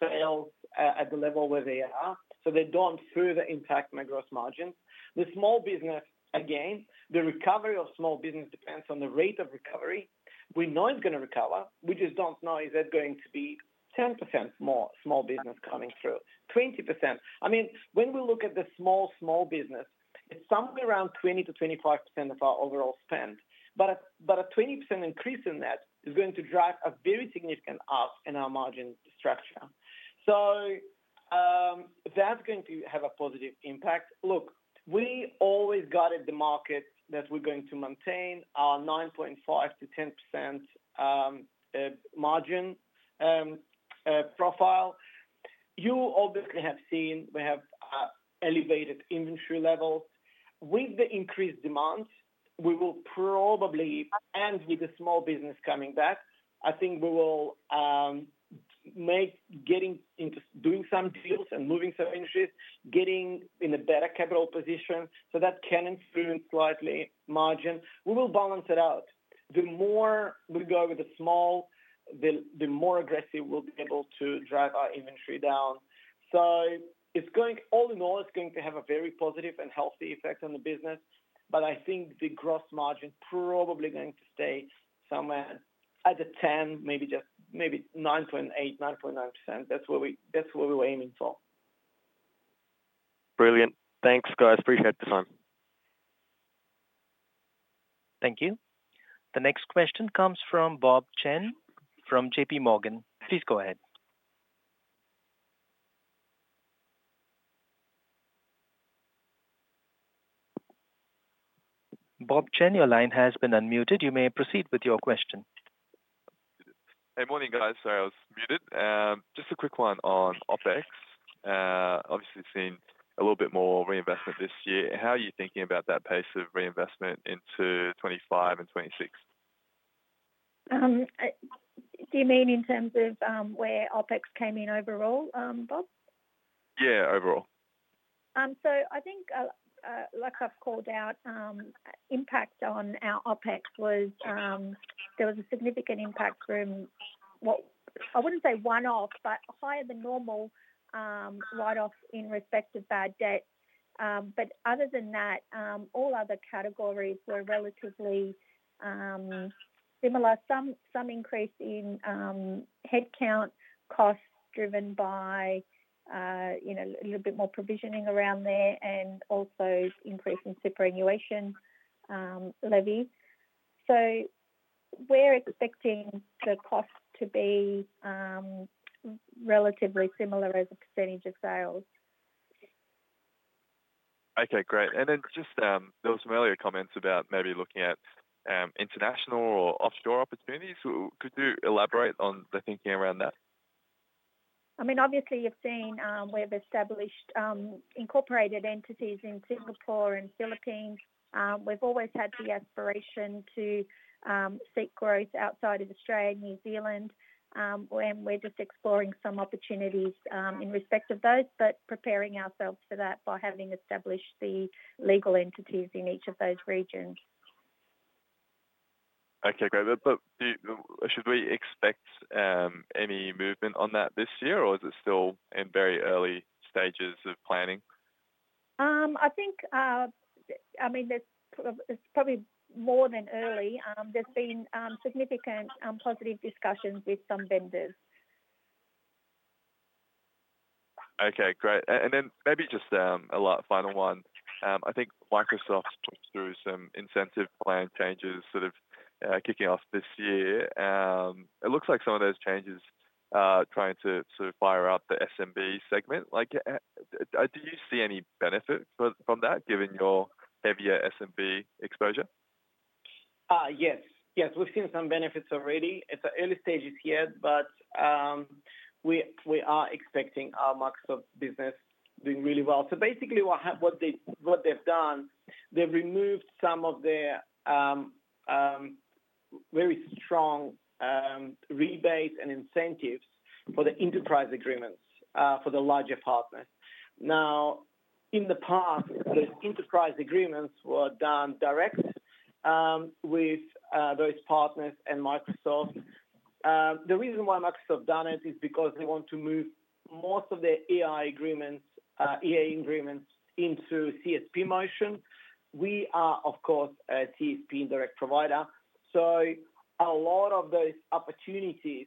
sales at the level where they are so they don't further impact my gross margins. The small business, again, the recovery of small business depends on the rate of recovery. We know it's going to recover. We just don't know, is it going to be 10% more small business coming through, 20%? I mean, when we look at the small, small business, it's somewhere around 20%-25% of our overall spend. But a 20% increase in that is going to drive a very significant up in our margin structure. So that's going to have a positive impact. Look, we always guided the market that we're going to maintain our 9.5%-10% margin profile. You obviously have seen we have elevated inventory levels. With the increased demand, we will probably end with the small business coming back. I think we will make getting into doing some deals and moving some inventories, getting in a better capital position. So that can influence slightly margin. We will balance it out. The more we go with the small, the more aggressive we'll be able to drive our inventory down. So all in all, it's going to have a very positive and healthy effect on the business. But I think the gross margin is probably going to stay somewhere at a 10%, maybe just maybe 9.8%-9.9%. That's where we were aiming for. Brilliant. Thanks, guys. Appreciate the time. Thank you. The next question comes from Bob Chen from J.P. Morgan. Please go ahead. Bob Chen, your line has been unmuted. You may proceed with your question. Hey, morning, guys. Sorry, I was muted. Just a quick one on OpEx. Obviously, seeing a little bit more reinvestment this year. How are you thinking about that pace of reinvestment into 2025 and 2026? Do you mean in terms of where OpEx came in overall, Bob? Yeah, overall. So I think, like I've called out, impact on our OpEx was there was a significant impact from, I wouldn't say one-off, but higher than normal write-offs in respect of bad debt. But other than that, all other categories were relatively similar. Some increase in headcount costs driven by a little bit more provisioning around there and also increase in superannuation levy. So we're expecting the costs to be relatively similar as a percentage of sales. Okay. Great. And then just those familiar comments about maybe looking at international or offshore opportunities. Could you elaborate on the thinking around that? I mean, obviously, you've seen we've established incorporated entities in Singapore and the Philippines. We've always had the aspiration to seek growth outside of Australia and New Zealand, and we're just exploring some opportunities in respect of those, but preparing ourselves for that by having established the legal entities in each of those regions. Okay. Great. But should we expect any movement on that this year, or is it still in very early stages of planning? I think, I mean, it's probably more than early. There's been significant positive discussions with some vendors. Okay. Great. And then maybe just a final one. I think Microsoft's pushed through some incentive plan changes sort of kicking off this year. It looks like some of those changes are trying to sort of fire up the SMB segment. Do you see any benefit from that given your heavier SMB exposure? Yes. Yes. We've seen some benefits already. It's early stages yet, but we are expecting our Microsoft business to be doing really well. So basically, what they've done, they've removed some of their very strong rebates and incentives for the Enterprise Agreements for the larger partners. Now, in the past, those Enterprise Agreements were done direct with those partners and Microsoft. The reason why Microsoft has done it is because they want to move most of their AI agreements, EA agreements into CSP motion. We are, of course, a CSP indirect provider. So a lot of those opportunities,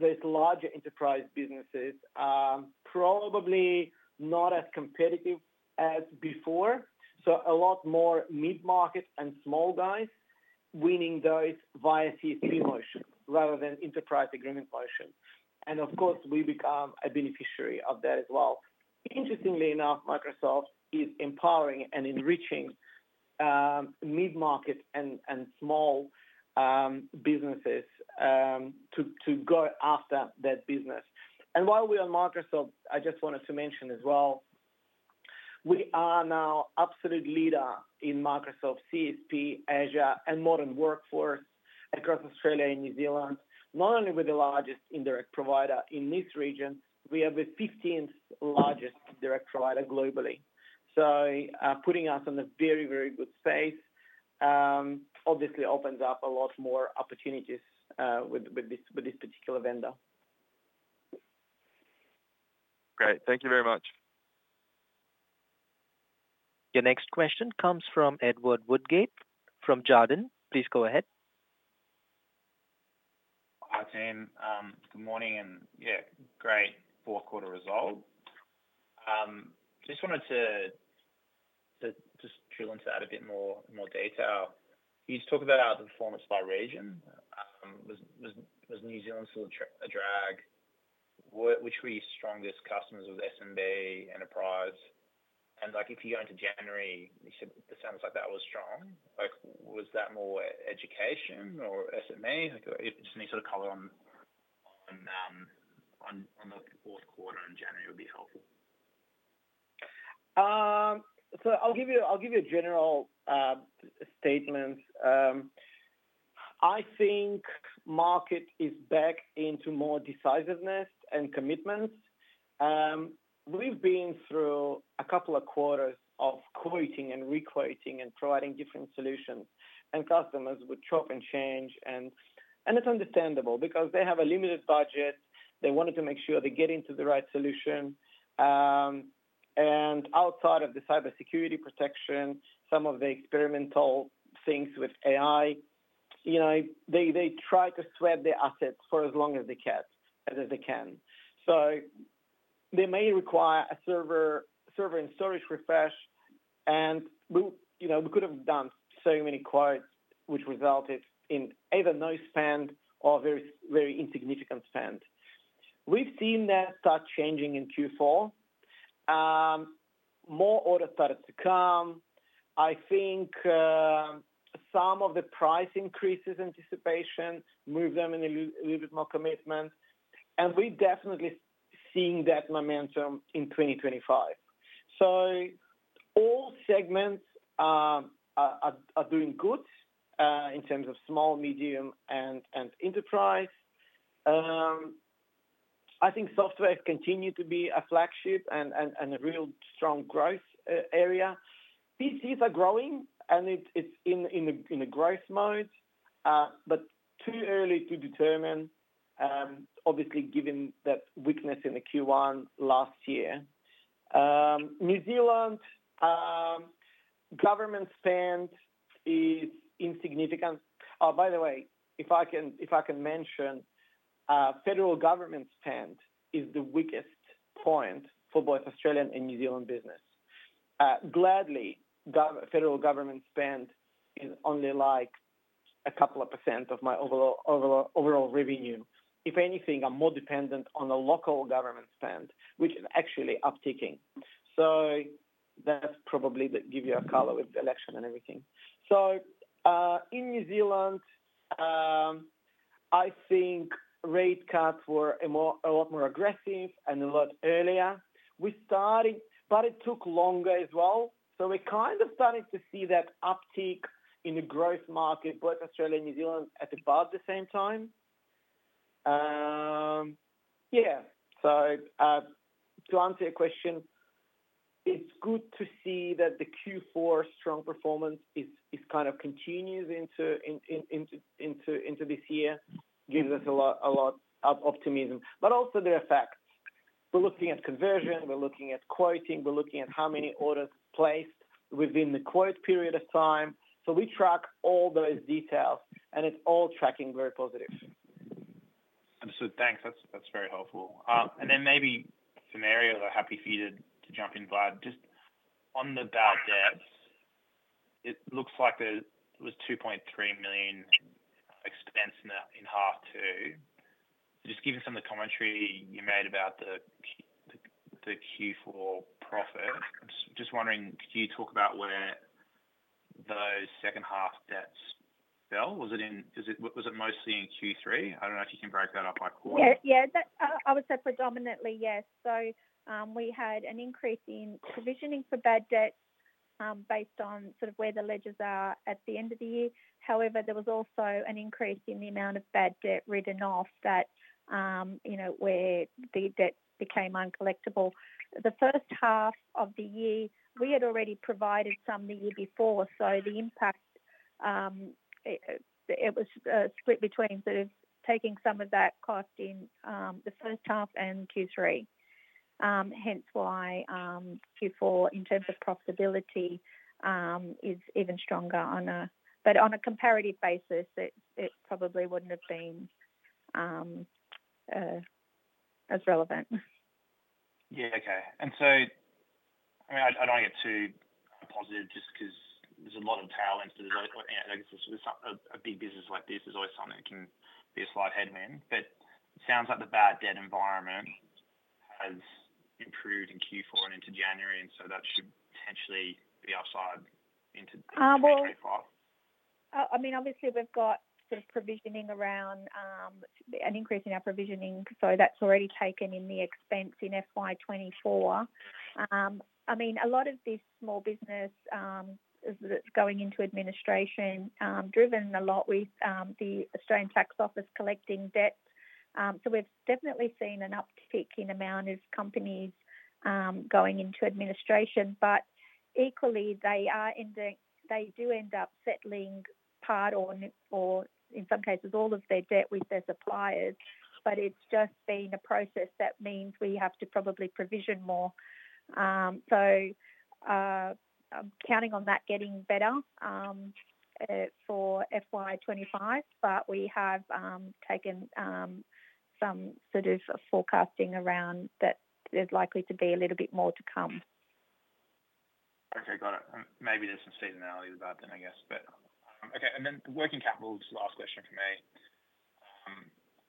those larger Enterprise businesses, are probably not as competitive as before. So a lot more Mid-Market and small business winning those via CSP motion rather than enterprise agreement motion. And of course, we become a beneficiary of that as well. Interestingly enough, Microsoft is empowering and enriching Mid-Market and small businesses to go after that business. And while we're on Microsoft, I just wanted to mention as well, we are now absolute leader in Microsoft CSP, Azure, and Modern Workforce across Australia and New Zealand, not only with the largest indirect provider in this region. We are the 15th largest indirect provider globally. So putting us in a very, very good space obviously opens up a lot more opportunities with this particular vendor. Great. Thank you very much. Your next question comes from Edward Woodgate from Jarden. Please go ahead. Hi, team. Good morning. And yeah, great fourth quarter results. Just wanted to drill into that a bit more detail. You just talked about the performance by region. Was New Zealand still a drag? Which were your strongest customers with SMB, Enterprise? And if you go into January, you said it sounds like that was strong. Was that more education or SME? Just any sort of color on the fourth quarter in January would be helpful. So I'll give you a general statement. I think the market is back into more decisiveness and commitments. We've been through a couple of quarters of quoting and re-quoting and providing different solutions. And customers would chop and change. And it's understandable because they have a limited budget. They wanted to make sure they get into the right solution. And outside of the cybersecurity protection, some of the experimental things with AI, they try to sweat their assets for as long as they can, as they can. So they may require a server and storage refresh. And we could have done so many quotes, which resulted in either no spend or very insignificant spend. We've seen that start changing in Q4. More orders started to come. I think some of the price increases anticipation moved them in a little bit more commitment. And we're definitely seeing that momentum in 2025. All segments are doing good in terms of Small, Medium, and Enterprise. I think software has continued to be a flagship and a real strong growth area. PCs are growing, and it's in a growth mode, but too early to determine, obviously, given that weakness in the Q1 last year. New Zealand Government spend is insignificant. Oh, by the way, if I can mention, Federal Government spend is the weakest point for both Australian and New Zealand business. Gladly, Federal Government spend is only like a couple of % of my overall revenue. If anything, I'm more dependent on the local government spend, which is actually upticking. That's probably to give you a color with the election and everything. In New Zealand, I think rate cuts were a lot more aggressive and a lot earlier. We started, but it took longer as well. So we're kind of starting to see that uptick in the growth market, both Australia and New Zealand, at about the same time. Yeah. So to answer your question, it's good to see that the Q4 strong performance is kind of continues into this year, gives us a lot of optimism. But also the effects. We're looking at conversion. We're looking at quoting. We're looking at how many orders placed within the quote period of time. So we track all those details, and it's all tracking very positive. Absolutely, thanks. That's very helpful. And then maybe a scenario that I'm happy for you to jump in, Vlad, just on the bad debt. It looks like there was 2.3 million expense in half two. Just given some of the commentary you made about the Q4 profit, just wondering, could you talk about where those second-half debts fell? Was it mostly in Q3? I don't know if you can break that up by quarter. Yeah. Yeah. I would say predominantly, yes. So we had an increase in provisioning for bad debt based on sort of where the ledgers are at the end of the year. However, there was also an increase in the amount of bad debt written off, where the debt became uncollectible. The first half of the year, we had already provided some the year before. So the impact, it was split between sort of taking some of that cost in the first half and Q3. Hence why Q4, in terms of profitability, is even stronger. But on a comparative basis, it probably wouldn't have been as relevant. Yeah. Okay, and so, I mean, I don't want to get too positive just because there's a lot of talent that is, I guess, a big business like this is always something that can be a slight headwind. But it sounds like the bad debt environment has improved in Q4 and into January, and so that should potentially be upside into Q2 and 2025. I mean, obviously, we've got sort of provisioning around an increase in our provisioning, so that's already taken in the expense in FY2024. I mean, a lot of this small business that's going into administration is driven a lot with the Australian Tax Office collecting debt, so we've definitely seen an uptick in the amount of companies going into administration, but equally, they do end up settling part or, in some cases, all of their debt with their suppliers, but it's just been a process that means we have to probably provision more, so I'm counting on that getting better for FY25, but we have taken some sort of forecasting around that there's likely to be a little bit more to come. Okay. Got it. Maybe there's some seasonality with that then, I guess. But okay. And then working capital is the last question for me.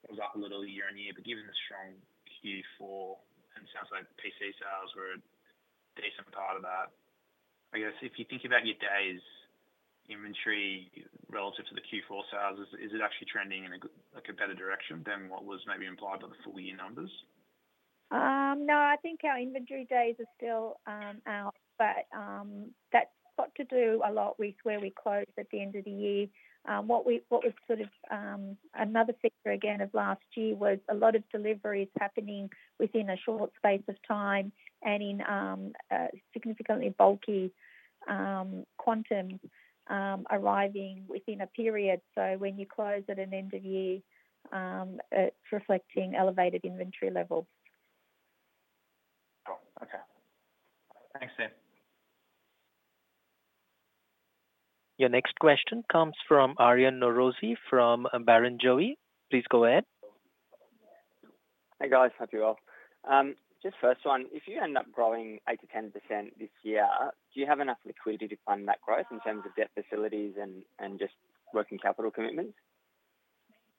It was up a little year-on-year. But given the strong Q4, and it sounds like PC sales were a decent part of that. I guess if you think about your Days Inventory relative to the Q4 sales, is it actually trending in a better direction than what was maybe implied by the full-year numbers? No. I think our inventory days are still out. But that's got to do a lot with where we close at the end of the year. What was sort of another feature again of last year was a lot of deliveries happening within a short space of time and in significantly bulky quantities arriving within a period. So when you close at an end of year, it's reflecting elevated inventory levels. Cool. Okay. Thanks, team. Your next question comes from Aryan Norozi from Barrenjoey. Please go ahead. Hey, guys. How's it going? Just first one. If you end up growing 8%-10% this year, do you have enough liquidity to fund that growth in terms of debt facilities and just working capital commitments?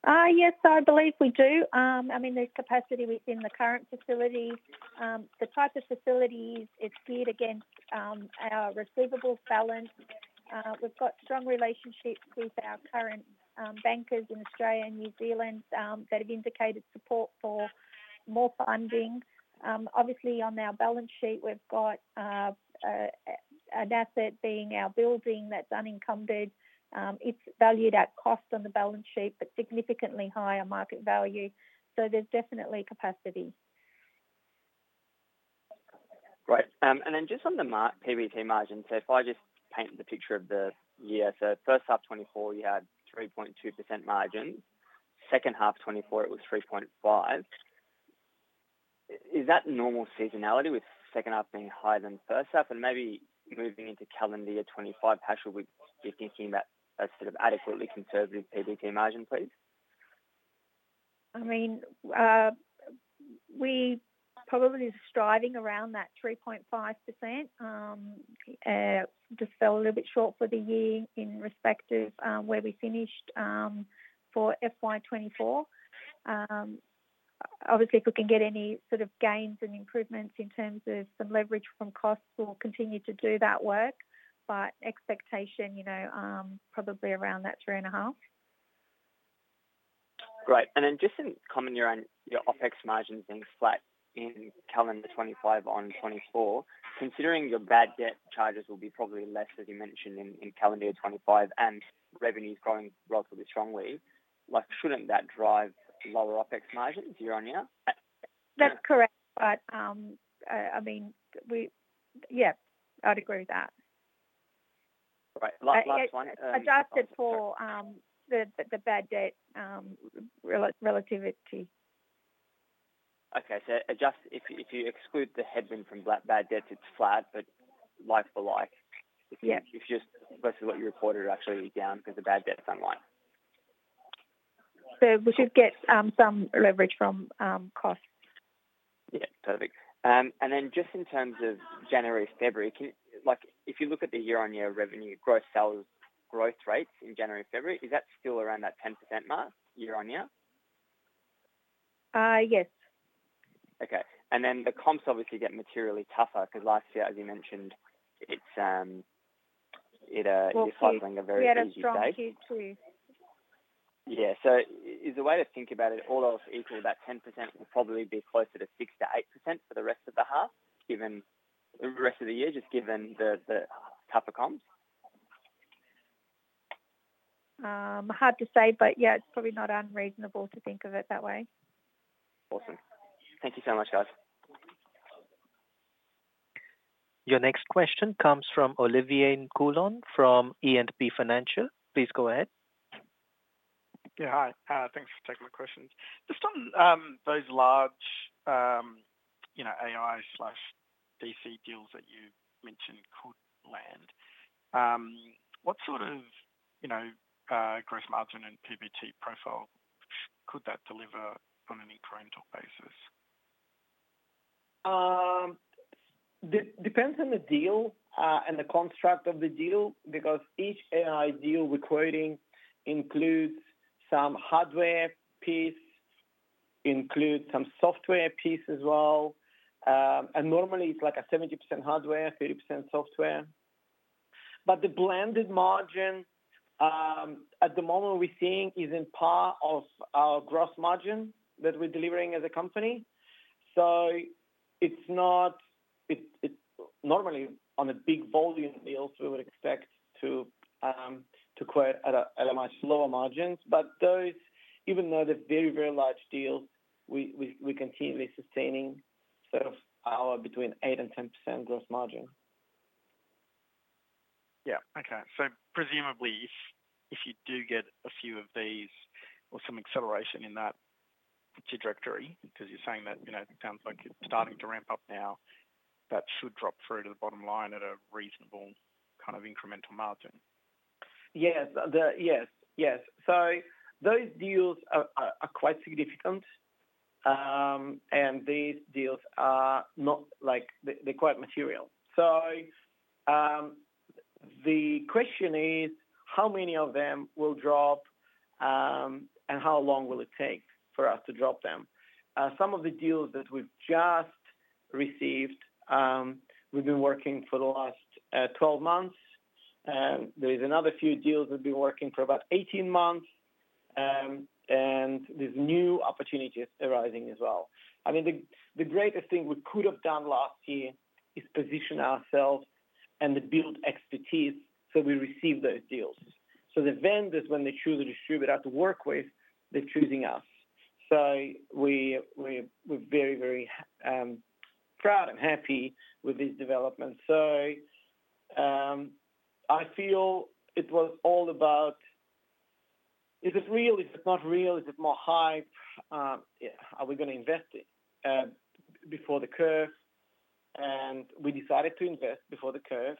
Yes. I believe we do. I mean, there's capacity within the current facility. The type of facilities is geared against our receivables balance. We've got strong relationships with our current bankers in Australia and New Zealand that have indicated support for more funding. Obviously, on our balance sheet, we've got an asset being our building that's unencumbered. It's valued at cost on the balance sheet, but significantly higher market value. So there's definitely capacity. Great. And then just on the PBT margin, so if I just paint the picture of the year, so first half 2024, you had 3.2% margin. Second half 2024, it was 3.5%. Is that normal seasonality with second half being higher than first half? And maybe moving into calendar year 2025, how should we be thinking about a sort of adequately conservative PBT margin, please? I mean, we're probably sitting around that 3.5%. Just fell a little bit short for the year in respect of where we finished for FY2024. Obviously, if we can get any sort of gains and improvements in terms of some leverage from costs, we'll continue to do that work. But expectation, probably around that three and a half. Great. And then just to comment on your OpEx margin being flat in calendar 2025 on 2024, considering your bad debt charges will be probably less, as you mentioned, in calendar year 2025 and revenues growing relatively strongly, shouldn't that drive lower OpEx margins year-on-year? That's correct. But I mean, yeah, I'd agree with that. Great. Last one. Adjusted for the bad debt relativity. Okay. So if you exclude the headwind from bad debt, it's flat like-for-like. If you just take what you reported, it's actually down because the bad debt's one-off. So we should get some leverage from costs. Yeah. Perfect. And then just in terms of January-February, if you look at the year-on-year revenue, gross sales growth rates in January-February, is that still around that 10% mark year on year? Yes. Okay. And then the comps obviously get materially tougher because last year, as you mentioned, it's either cycling a very steady stage. Yeah. It's strong Q2. Yeah. So is the way to think about it, all else equal, that 10% will probably be closer to 6%-8% for the rest of the half, given the rest of the year, just given the tougher comps? Hard to say. But yeah, it's probably not unreasonable to think of it that way. Awesome. Thank you so much, guys. Your next question comes from Olivier Coulon from E&P Financial. Please go ahead. Yeah. Hi. Thanks for taking my questions. Just on those large AI/DC deals that you mentioned could land, what sort of gross margin and PBT profile could that deliver on an incremental basis? Depends on the deal and the construct of the deal because each AI deal requires and includes some hardware piece, includes some software piece as well. And normally, it's like a 70% hardware, 30% software. But the blended margin at the moment we're seeing is in part of our gross margin that we're delivering as a company. So it's not normally on big volume deals, we would expect to quote at a much lower margin. But those, even though they're very, very large deals, we're continually sustaining sort of our between 8%-10% gross margin. Yeah. Okay. So presumably, if you do get a few of these or some acceleration in that trajectory, because you're saying that it sounds like it's starting to ramp up now, that should drop through to the bottom line at a reasonable kind of incremental margin. Yes. Yes. Yes. So those deals are quite significant. And these deals are, they're quite material. So the question is, how many of them will drop and how long will it take for us to drop them? Some of the deals that we've just received, we've been working for the last 12 months. There is another few deals we've been working for about 18 months. And there's new opportunities arising as well. I mean, the greatest thing we could have done last year is position ourselves and build expertise so we receive those deals. So the vendors, when they choose a distributor to work with, they're choosing us. So we're very, very proud and happy with these developments. So I feel it was all about, is it real? Is it not real? Is it more hype? Are we going to invest before the curve? And we decided to invest before the curve.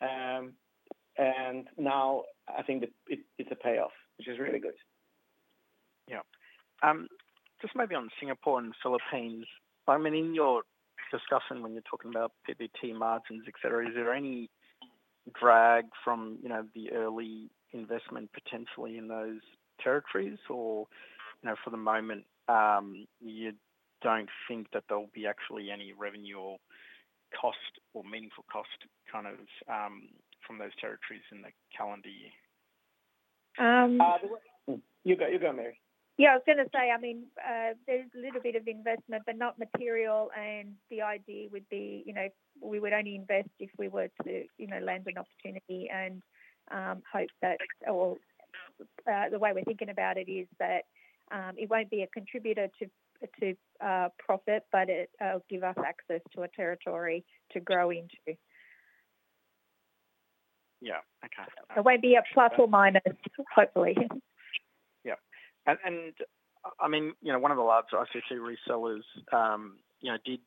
And now, I think it's a payoff, which is really good. Yeah. Just maybe on Singapore and the Philippines, I mean, in your discussion when you're talking about PBT margins, etc., is there any drag from the early investment potentially in those territories? Or for the moment, you don't think that there'll be actually any revenue or cost or meaningful cost kind of from those territories in the calendar year? You go. You go, Mary. Yeah. I was going to say, I mean, there's a little bit of investment, but not material, and the idea would be we would only invest if we were to land an opportunity and hope that or the way we're thinking about it is that it won't be a contributor to profit, but it'll give us access to a territory to grow into. Yeah. Okay. It won't be a plus or minus, hopefully. Yeah. And I mean, one of the large ICT resellers did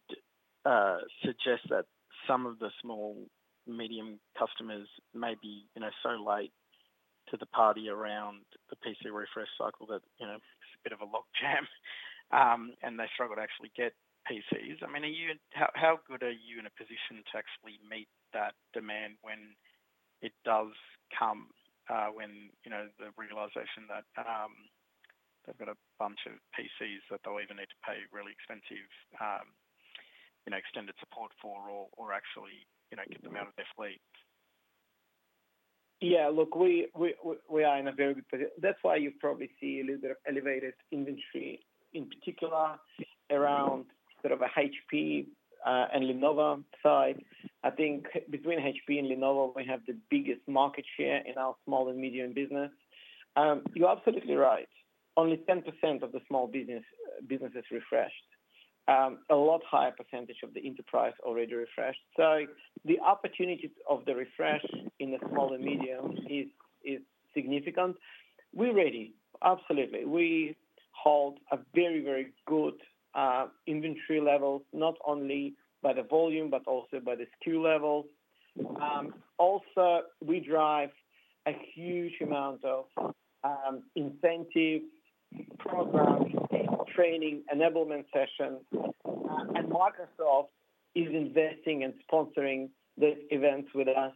suggest that some of the small, medium customers may be so late to the party around the PC refresh cycle that it's a bit of a logjam, and they struggle to actually get PCs. I mean, how good are you in a position to actually meet that demand when it does come when the realization that they've got a bunch of PCs that they'll even need to pay really expensive extended support for or actually get them out of their fleet? Yeah. Look, we are in a very good position. That's why you probably see a little bit of elevated inventory, in particular around sort of a HP and Lenovo side. I think between HP and Lenovo, we have the biggest market share in our Small and Medium Business. You're absolutely right. Only 10% of the small business is refreshed. A lot higher percentage of the enterprise already refreshed. So the opportunities of the refresh in the small and medium is significant. We're ready. Absolutely. We hold a very, very good inventory level, not only by the volume but also by the SKU level. Also, we drive a huge amount of incentive programs, training enablement sessions. And Microsoft is investing and sponsoring these events with us.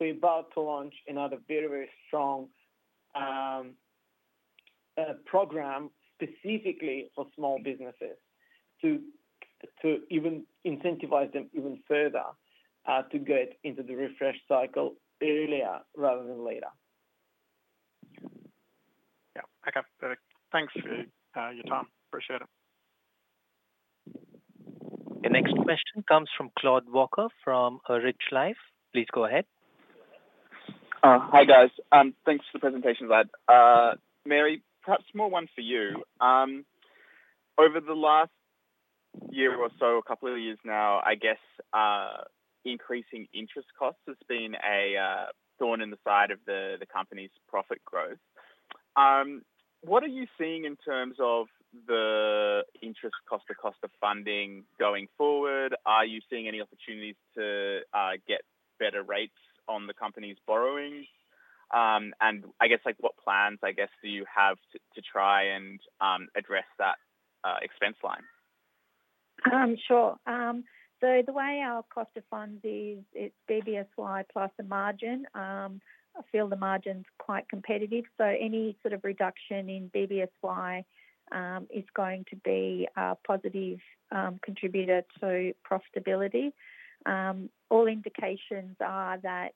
We're about to launch another very, very strong program specifically for small businesses to even incentivize them even further to get into the refresh cycle earlier rather than later. Yeah. Okay. Perfect. Thanks for your time. Appreciate it. The next question comes from Claude Walker from A Rich Life. Please go ahead. Hi, guys. Thanks for the presentation, Vlad. Mary, perhaps one more for you. Over the last year or so, a couple of years now, I guess increasing interest costs has been a thorn in the side of the company's profit growth. What are you seeing in terms of the interest cost, the cost of funding going forward? Are you seeing any opportunities to get better rates on the company's borrowing? And I guess what plans, I guess, do you have to try and address that expense line? Sure. So the way our cost of funds is, it's BBSY plus a margin. I feel the margin's quite competitive. So any sort of reduction in BBSY is going to be a positive contributor to profitability. All indications are that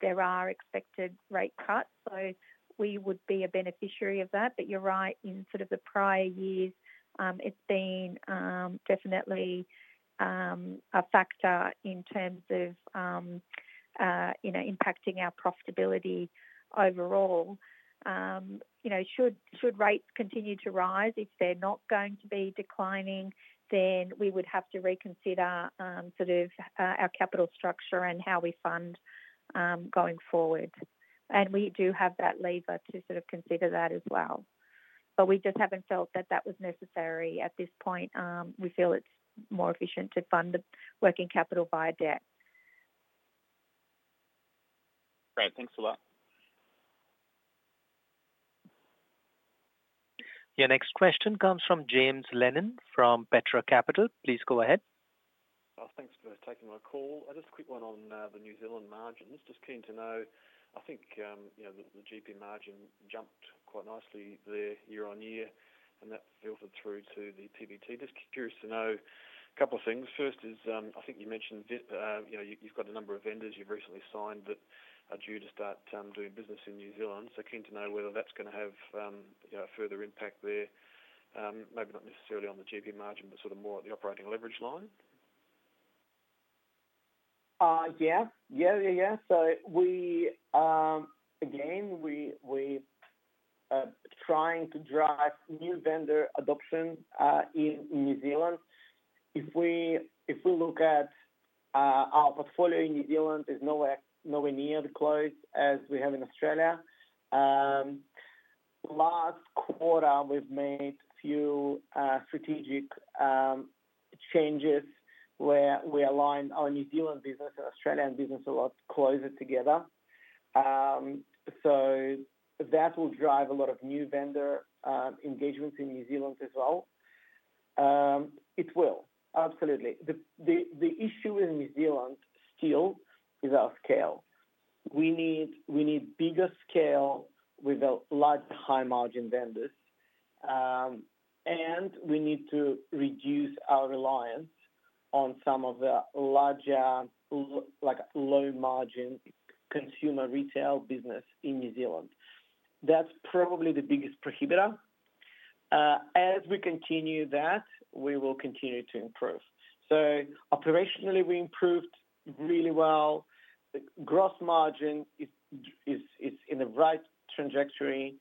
there are expected rate cuts. So we would be a beneficiary of that. But you're right. In sort of the prior years, it's been definitely a factor in terms of impacting our profitability overall. Should rates continue to rise, if they're not going to be declining, then we would have to reconsider sort of our capital structure and how we fund going forward. And we do have that lever to sort of consider that as well. But we just haven't felt that that was necessary at this point. We feel it's more efficient to fund the working capital via debt. Great. Thanks a lot. Yeah. Next question comes from James Lennon from Petra Capital. Please go ahead. Thanks for taking my call. Just a quick one on the New Zealand margins. Just keen to know, I think the GP margin jumped quite nicely there year-on-year, and that filtered through to the PBT. Just curious to know a couple of things. First is, I think you mentioned you've got a number of vendors you've recently signed that are due to start doing business in New Zealand. So keen to know whether that's going to have a further impact there, maybe not necessarily on the GP margin, but sort of more at the operating leverage line? Yeah. Yeah. Yeah. Yeah. So again, we're trying to drive new vendor adoption in New Zealand. If we look at our portfolio in New Zealand, it's nowhere near as close as we have in Australia. Last quarter, we've made a few strategic changes where we aligned our New Zealand business and Australian business a lot closer together. So that will drive a lot of new vendor engagements in New Zealand as well. It will. Absolutely. The issue in New Zealand still is our scale. We need bigger scale with large high-margin vendors. And we need to reduce our reliance on some of the larger low-margin consumer retail business in New Zealand. That's probably the biggest prohibitor. As we continue that, we will continue to improve. So operationally, we improved really well. The gross margin is in the right trajectory,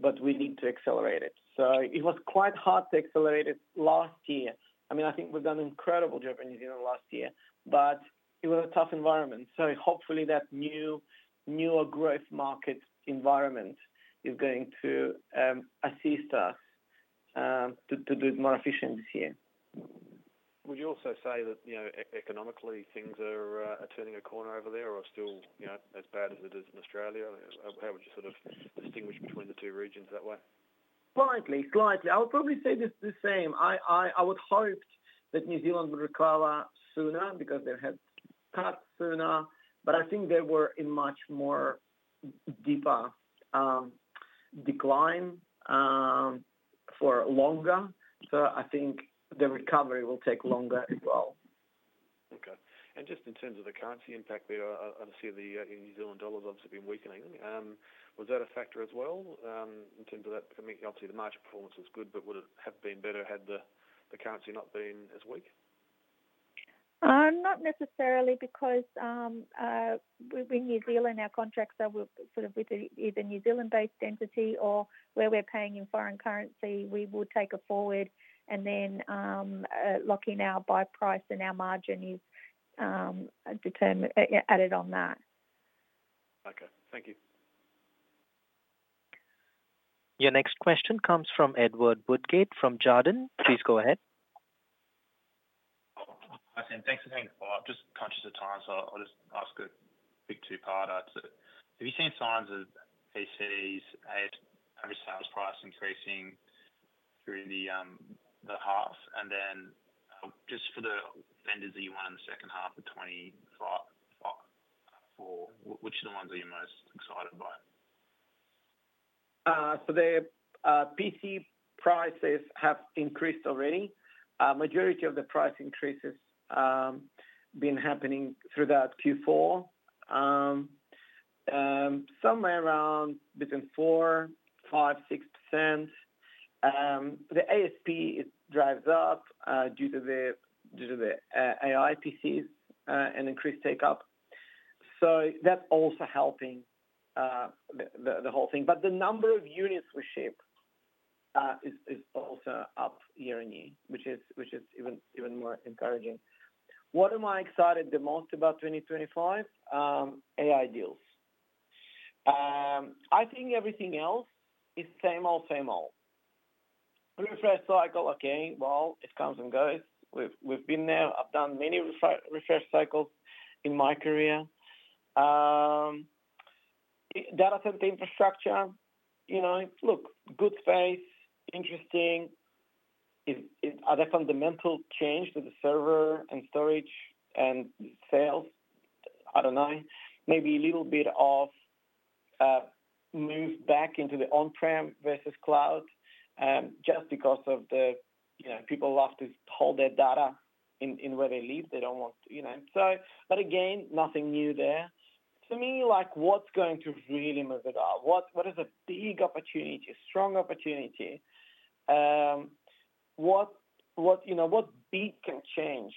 but we need to accelerate it. So it was quite hard to accelerate it last year. I mean, I think we've done incredible job in New Zealand last year, but it was a tough environment. So hopefully, that newer growth market environment is going to assist us to do it more efficient this year. Would you also say that economically, things are turning a corner over there or still as bad as it is in Australia? How would you sort of distinguish between the two regions that way? Slightly. Slightly. I would probably say this is the same. I would hope that New Zealand would recover sooner because they've had cuts sooner. But I think they were in much more deeper decline for longer. So I think the recovery will take longer as well. Okay. And just in terms of the currency impact there, obviously, the New Zealand dollar has obviously been weakening. Was that a factor as well in terms of that? I mean, obviously, the margin performance was good, but would it have been better had the currency not been as weak? Not necessarily because with New Zealand, our contracts are sort of with either New Zealand-based entity or where we're paying in foreign currency, we would take a forward and then lock in our buy price and our margin is added on that. Okay. Thank you. Yeah. Next question comes from Edward Woodgate from Jarden. Please go ahead. Hi, team. Thanks for hanging up. I'm just conscious of time, so I'll just ask a big two-parter. Have you seen signs of PCs at average sales price increasing through the half? And then just for the vendors that you want in the second half of 2024, which are the ones that you're most excited by? The PC prices have increased already. Majority of the price increases have been happening throughout Q4, somewhere around between 4%-6%. The ASP drives up due to the AI PCs and increased take-up. So that's also helping the whole thing. But the number of units we ship is also up year-on-year, which is even more encouraging. What am I excited the most about 2025? AI deals. I think everything else is same old, same old. Refresh cycle, okay. Well, it comes and goes. We've been there. I've done many refresh cycles in my career. Data center infrastructure, look, good space, interesting. Are there fundamental changes to the server and storage and sales? I don't know. Maybe a little bit of move back into the on-prem versus cloud just because of the people love to hold their data in where they live. They don't want to. But again, nothing new there. To me, what's going to really move it up? What is a big opportunity, strong opportunity? What beat can change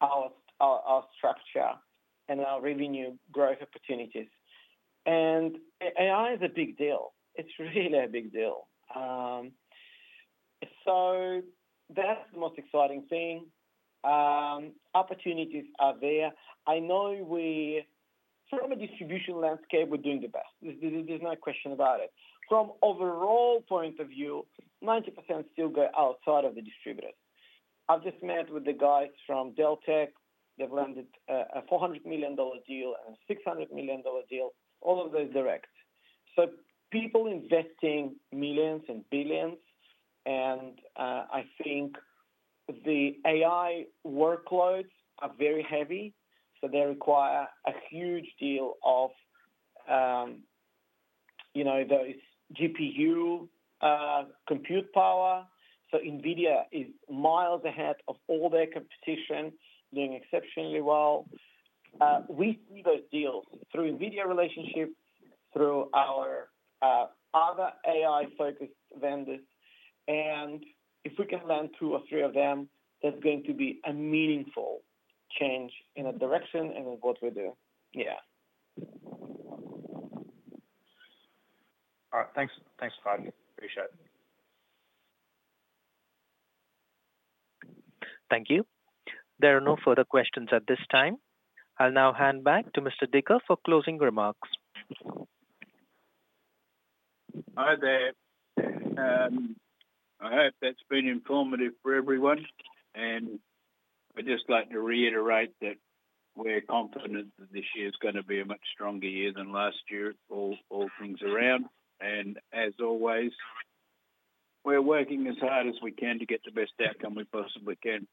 our structure and our revenue growth opportunities? And AI is a big deal. It's really a big deal. So that's the most exciting thing. Opportunities are there. I know from a distribution landscape, we're doing the best. There's no question about it. From an overall point of view, 90% still go outside of the distributors. I've just met with the guys from Dell Tech. They've landed a $400 million deal and a $600 million deal. All of those direct. So people investing millions and billions. And I think the AI workloads are very heavy, so they require a huge deal of those GPU compute power. So NVIDIA is miles ahead of all their competition, doing exceptionally well. We see those deals through NVIDIA relationships, through our other AI-focused vendors. And if we can land two or three of them, that's going to be a meaningful change in a direction and in what we do. Yeah. All right. Thanks, Vlad. Appreciate it. Thank you. There are no further questions at this time. I'll now hand back to Mr. Dicker for closing remarks. Hi there. I hope that's been informative for everyone. And I'd just like to reiterate that we're confident that this year is going to be a much stronger year than last year, all things around. And as always, we're working as hard as we can to get the best outcome we possibly can.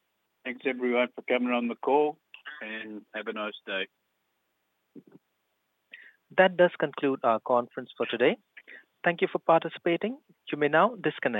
Thanks, everyone, for coming on the call, and have a nice day. That does conclude our conference for today. Thank you for participating. You may now disconnect.